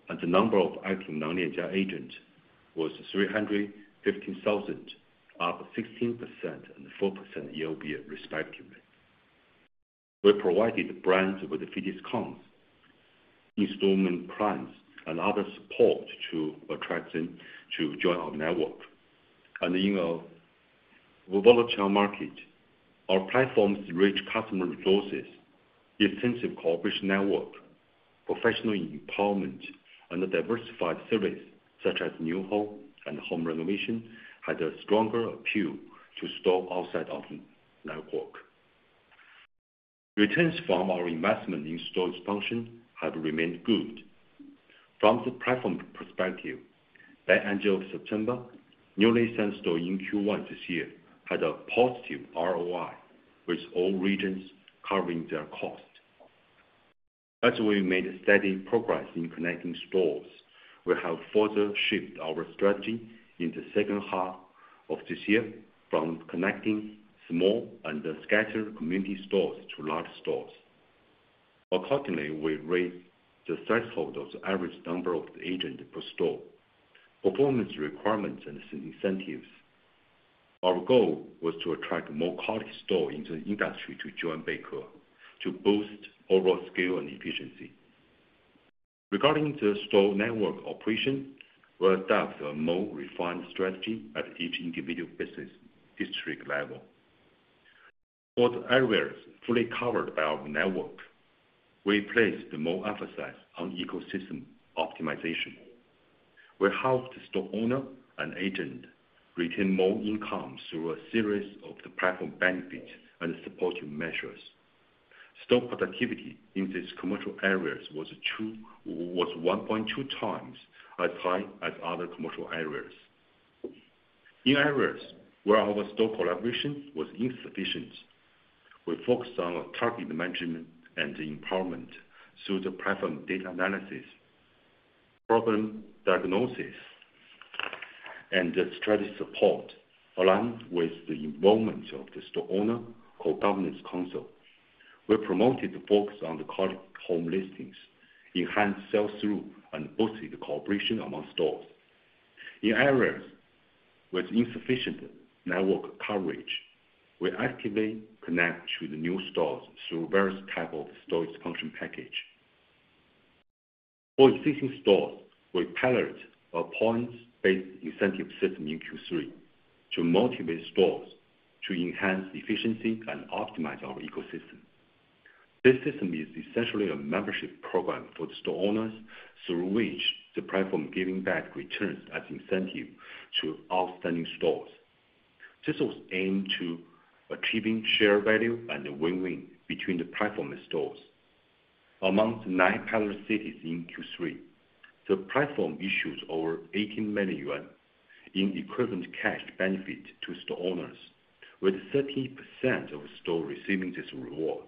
[SPEAKER 4] and the number of active agents was 350,000, up 16% and 4% year-over-year respectively. We provided brands with free discounts, entrustment price, and other support to attract them to join our network, and in a volatile market, our platform's rich customer resources, extensive cooperation network, professional empowerment, and diversified services such as new home and home renovation had a stronger appeal to stores outside of the network. Returns from our investment in store expansion have remained good. From the platform perspective, by the end of September, newly sent stores in Q1 this year had a positive ROI, with all regions covering their cost. As we made steady progress in connecting stores, we have further shifted our strategy in the second half of this year from connecting small and scattered community stores to large stores. Accordingly, we raised the threshold of the average number of agents per store, performance requirements, and incentives. Our goal was to attract more quality stores into the industry to join Beike to boost overall scale and efficiency. Regarding the store network operation, we adopted a more refined strategy at each individual business district level. For the areas fully covered by our network, we placed more emphasis on ecosystem optimization. We helped store owners and agents retain more income through a series of the platform benefits and supporting measures. Store productivity in these commercial areas was 1.2 times as high as other commercial areas. In areas where our store collaboration was insufficient, we focused on targeted management and empowerment through the platform data analysis, problem diagnosis, and strategy support, along with the involvement of the store owner co-governance council. We promoted the focus on the quality home listings, enhanced sales through, and boosted the cooperation among stores. In areas with insufficient network coverage, we actively connect to the new stores through various types of store expansion packages. For existing stores, we paired a points-based incentive system in Q3 to motivate stores to enhance efficiency and optimize our ecosystem. This system is essentially a membership program for the store owners, through which the platform gives back returns as incentive to outstanding stores. This was aimed at achieving share value and a win-win between the platform and stores. Among the nine pillar cities in Q3, the platform issued over 18 million yuan in equivalent cash benefits to store owners, with 30% of stores receiving this reward.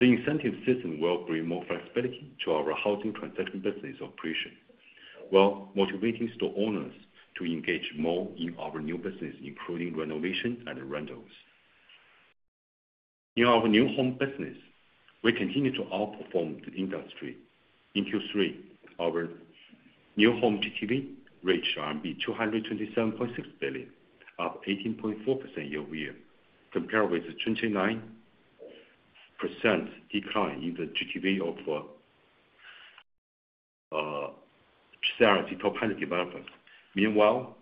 [SPEAKER 4] The incentive system will bring more flexibility to our housing transaction business operation, while motivating store owners to engage more in our new business, including renovation and rentals. In our new home business, we continue to outperform the industry. In Q3, our new home GTV reached RMB 227.6 billion, up 18.4% year-over-year, compared with a 29% decline in the GTV of China's top SOE pioneer developers. Meanwhile,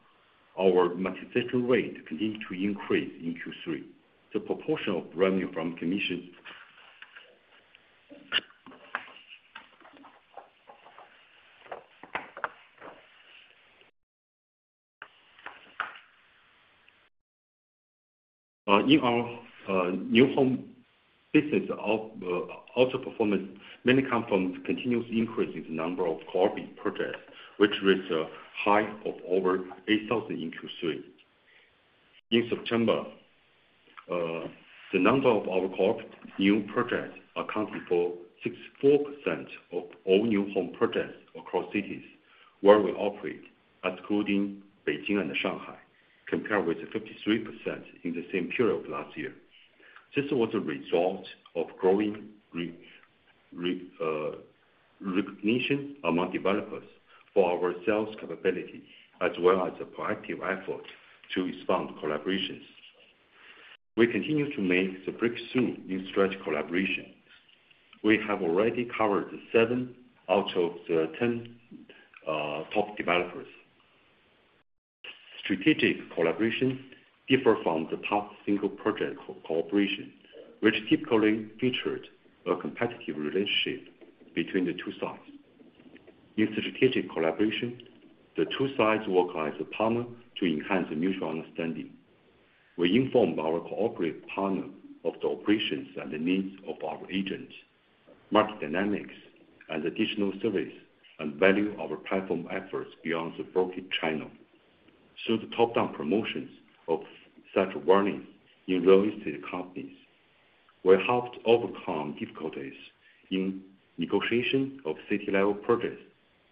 [SPEAKER 4] our market rate continued to increase in Q3. The proportion of revenue from commissions in our new home business outperformance mainly comes from continuous increase in the number of cooperative projects, which reached a high of over 8,000 in Q3. In September, the number of our cooperative new projects accounted for 64% of all new home projects across cities where we operate, excluding Beijing and Shanghai, compared with 53% in the same period last year. This was a result of growing recognition among developers for our sales capability, as well as a proactive effort to expand collaborations. We continue to make the breakthrough new strategy collaboration. We have already covered seven out of the 10 top developers. Strategic collaboration differs from the top single project cooperation, which typically featured a competitive relationship between the two sides. In strategic collaboration, the two sides work as a partner to enhance mutual understanding. We inform our cooperative partner of the operations and the needs of our agents, market dynamics, and additional service, and value our platform efforts beyond the brokerage channel. Through the top-down promotions of such warnings in real estate companies, we helped overcome difficulties in negotiation of city-level projects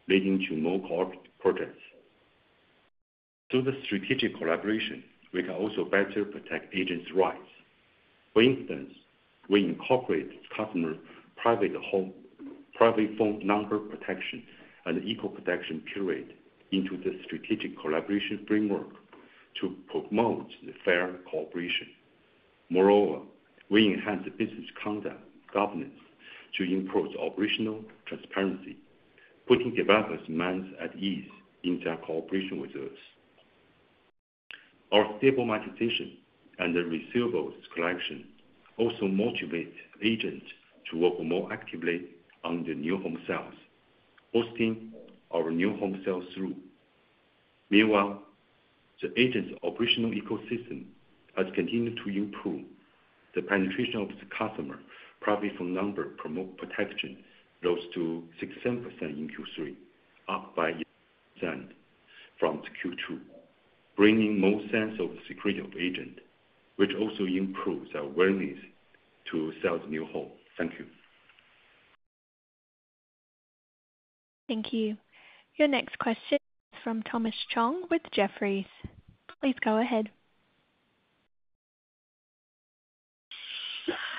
[SPEAKER 4] leading to more cooperative projects. Through the strategic collaboration, we can also better protect agents' rights. For instance, we incorporate customer private phone number protection and equal protection period into the strategic collaboration framework to promote fair cooperation. Moreover, we enhance business conduct governance to improve operational transparency, putting developers' minds at ease in their cooperation with us. Our stable monetization and the receivables collection also motivate agents to work more actively on the new home sales, boosting our new home sales through. Meanwhile, the agent's operational ecosystem has continued to improve the penetration of the customer private phone number protection, which rose to 16% in Q3, up by 8% from Q2, bringing more sense of security of agents, which also improves awareness to sell the new home. Thank you.
[SPEAKER 1] Thank you. Your next question is from Thomas Chong with Jefferies. Please go ahead.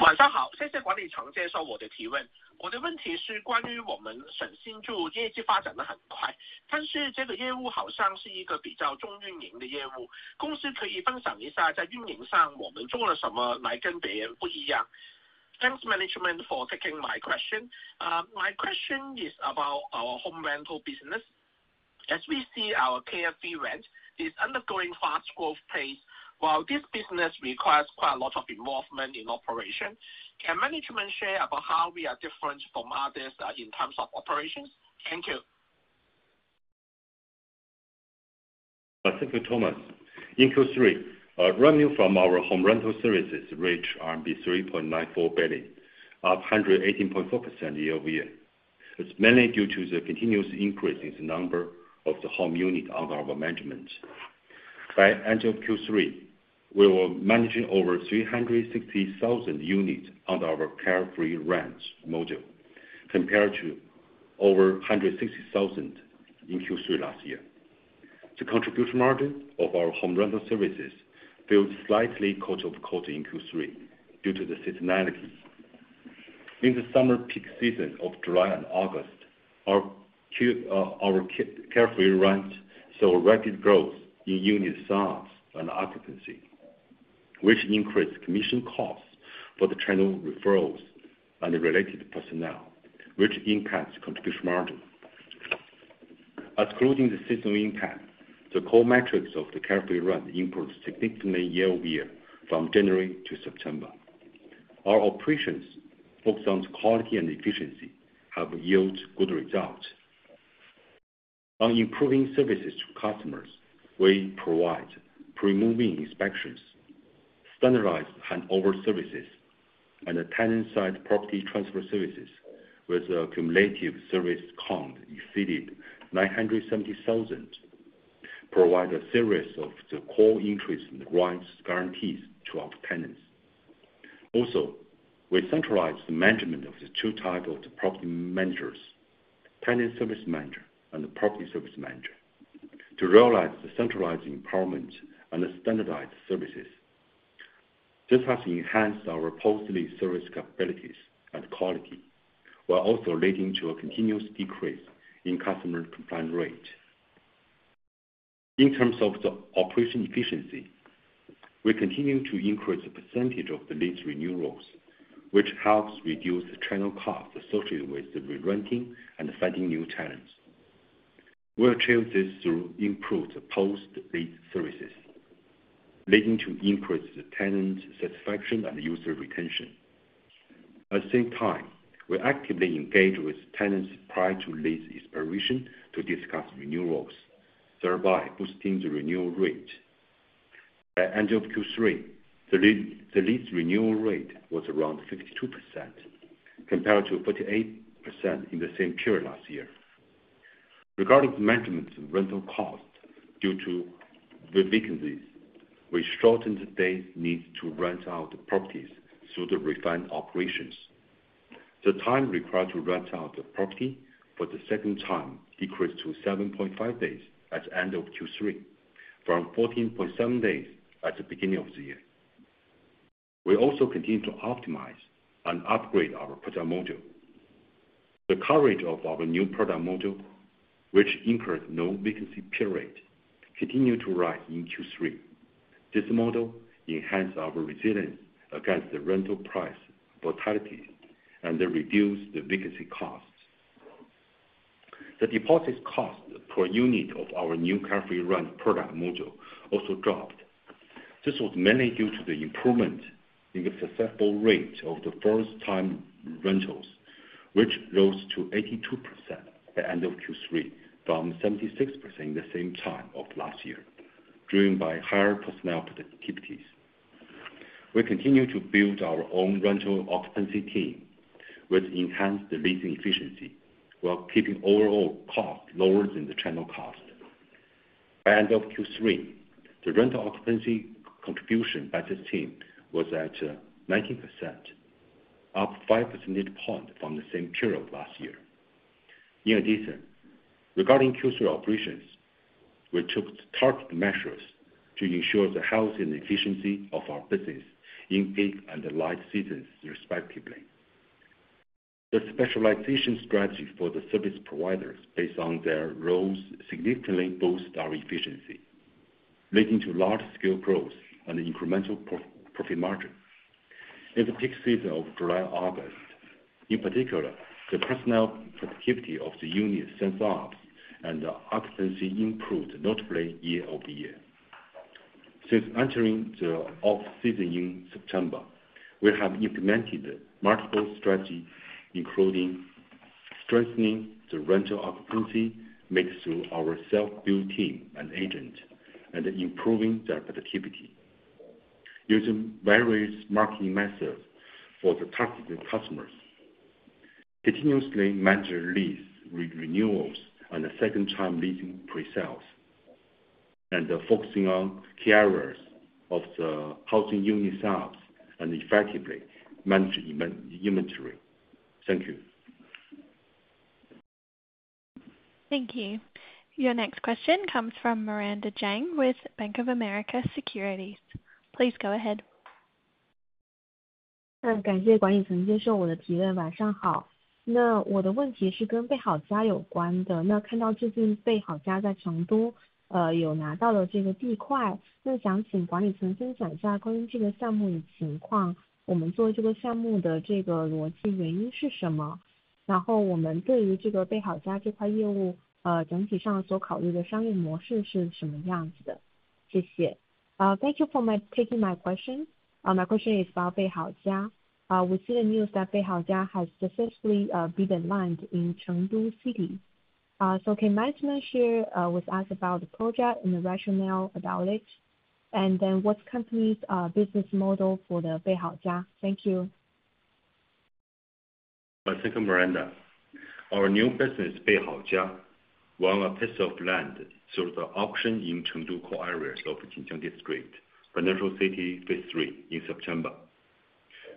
[SPEAKER 8] 晚上好，谢谢管理层接受我的提问。我的问题是关于我们家居租业绩发展得很快，但是这个业务好像是一个比较重运营的业务。公司可以分享一下在运营上我们做了什么来跟别人不一样。Thanks, Management, for taking my question. My question is about our home rental business. As we see our Carefree Rent, it is undergoing fast growth pace. While this business requires quite a lot of involvement in operation, can Management share about how we are different from others in terms of operations? Thank you.
[SPEAKER 4] Thank you, Thomas. In Q3, revenue from our home rental services reached RMB 3.94 billion, up 118.4% year-over-year. It's mainly due to the continuous increase in the number of the home units under our management. By the end of Q3, we were managing over 360,000 units under our Carefree Rent module, compared to over 160,000 in Q3 last year. The contribution margin of our home rental services fell slightly quarter over quarter in Q3 due to the seasonality. In the summer peak season of July and August, our Carefree Rent saw rapid growth in unit size and occupancy, which increased commission costs for the channel referrals and related personnel, which impacts contribution margin. Excluding the seasonal impact, the core metrics of the Carefree Rent improved significantly year-over-year from January to September. Our operations, focused on quality and efficiency, have yielded good results. On improving services to customers, we provide pre-moving inspections, standardized handover services, and tenant-side property transfer services, with the cumulative service count exceeding 970,000, providing a series of the core interests and rights guarantees to our tenants. Also, we centralize the management of the two types of property managers: tenant service manager and property service manager, to realize the centralized empowerment and the standardized services. This has enhanced our portal service capabilities and quality, while also leading to a continuous decrease in customer complaint rate. In terms of the operation efficiency, we continue to increase the percentage of the lease renewals, which helps reduce the channel costs associated with the re-renting and finding new tenants. We achieve this through improved post-lease services, leading to increased tenant satisfaction and user retention. At the same time, we actively engage with tenants prior to lease expiration to discuss renewals, thereby boosting the renewal rate. By the end of Q3, the lease renewal rate was around 52%, compared to 48% in the same period last year. Regarding management rental costs due to vacancies, we shortened the days needed to rent out properties through the refined operations. The time required to rent out the property for the second time decreased to 7.5 days at the end of Q3, from 14.7 days at the beginning of the year. We also continue to optimize and upgrade our product module. The coverage of our new product module, which incurred no vacancy period, continued to rise in Q3. This model enhanced our resilience against the rental price volatility and reduced the vacancy costs. The deposit cost per unit of our new Carefree Rent product module also dropped. This was mainly due to the improvement in the successful rate of the first-time rentals, which rose to 82% at the end of Q3, from 76% in the same time of last year, driven by higher personnel productivities. We continue to build our own rental occupancy team, which enhanced the leasing efficiency while keeping overall costs lower than the channel cost. By the end of Q3, the rental occupancy contribution by this team was at 19%, up five percentage points from the same period last year. In addition, regarding Q3 operations, we took targeted measures to ensure the health and efficiency of our business in peak and light seasons, respectively. The specialization strategy for the service providers, based on their roles, significantly boosted our efficiency, leading to large-scale growth and incremental profit margins. In the peak season of July-August, in particular, the personnel productivity of the units and jobs and occupancy improved notably year-over-year. Since entering the off-season in September, we have implemented multiple strategies, including strengthening the rental occupancy made through our self-built team and agents, and improving their productivity using various marketing methods for the targeted customers. Continuously managed lease renewals and second-time leasing pre-sales, and focusing on key areas of the housing unit sales and effectively managed inventory. Thank you.
[SPEAKER 1] Thank you. Your next question comes from Miranda Zhuang with Bank of America Securities. Please go ahead.
[SPEAKER 9] 感谢管理层接受我的提问。晚上好。我的问题是跟贝好家有关的。看到最近贝好家在成都有拿到了地块，想请管理层分享一下关于这个项目的情况，我们做这个项目的逻辑原因是什么，然后我们对于贝好家这块业务整体上所考虑的商业模式是什么样子的。谢谢。Thank you for taking my question. My question is about Beihaojia. We see the news that Beihaojia has successfully been aligned in Chengdu City. So can Management share with us about the project and the rationale about it, and then what's the company's business model for the Beihaojia? Thank you.
[SPEAKER 4] Thank you, Miranda. Our new business, Beihaojia, won a piece of land through the auction in Chengdu core areas of Jinjiang District, Financial City Phase III in September.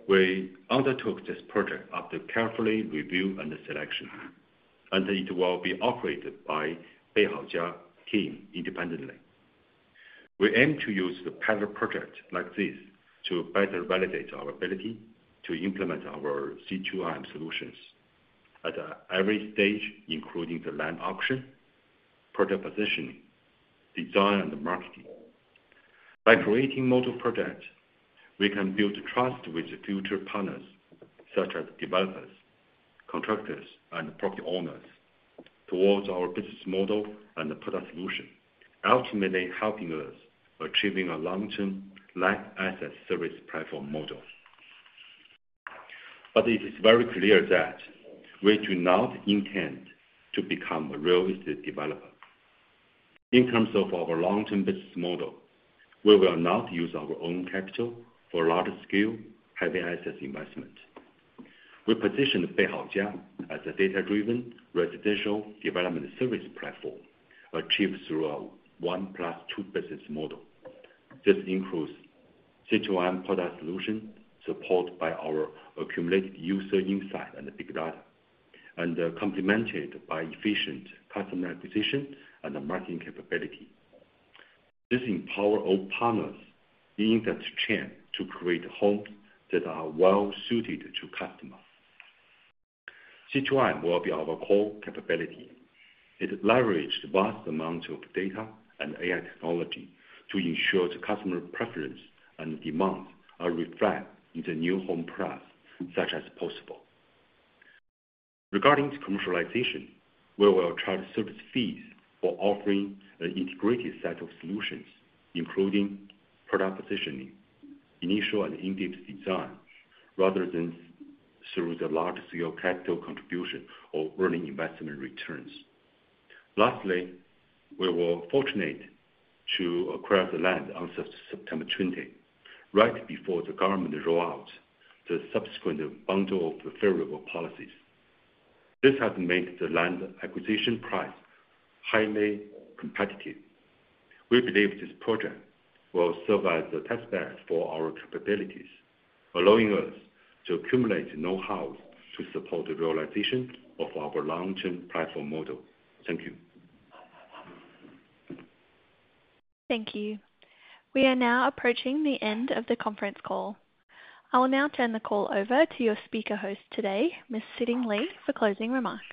[SPEAKER 4] We undertook this project after carefully reviewing and selecting, and it will be operated by Beihaojia's team independently. We aim to use the pilot project like this to better validate our ability to implement our C2M solutions at every stage, including the land auction, project positioning, design, and marketing. By creating multiple projects, we can build trust with future partners such as developers, contractors, and property owners towards our business model and the product solution, ultimately helping us achieve a long-term life asset service platform model. But it is very clear that we do not intend to become a real estate developer. In terms of our long-term business model, we will not use our own capital for large-scale heavy asset investment. We position Beihaojia as a data-driven residential development service platform achieved through a one-plus-two business model. This includes C2IM product solution supported by our accumulated user insight and big data, and complemented by efficient customer acquisition and marketing capability. This empowers our partners in that chain to create homes that are well-suited to customers. C2IM will be our core capability. It leverages vast amounts of data and AI technology to ensure the customer preference and demands are reflected in the new home products as possible. Regarding commercialization, we will charge service fees for offering an integrated set of solutions, including product positioning, initial and in-depth design, rather than through the large-scale capital contribution or early investment returns. Lastly, we were fortunate to acquire the land on September 20, right before the government rolled out the subsequent bundle of favorable policies. This has made the land acquisition price highly competitive. We believe this project will serve as a testbed for our capabilities, allowing us to accumulate know-how to support the realization of our long-term platform model. Thank you.
[SPEAKER 1] Thank you. We are now approaching the end of the conference call. I will now turn the call over to your speaker host today, Ms. Siting Li, for closing remarks.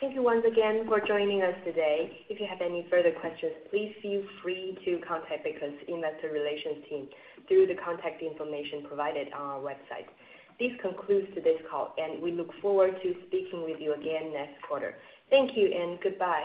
[SPEAKER 2] Thank you once again for joining us today. If you have any further questions, please feel free to contact Beike's Investor Relations team through the contact information provided on our website. This concludes today's call, and we look forward to speaking with you again next quarter. Thank you, and goodbye.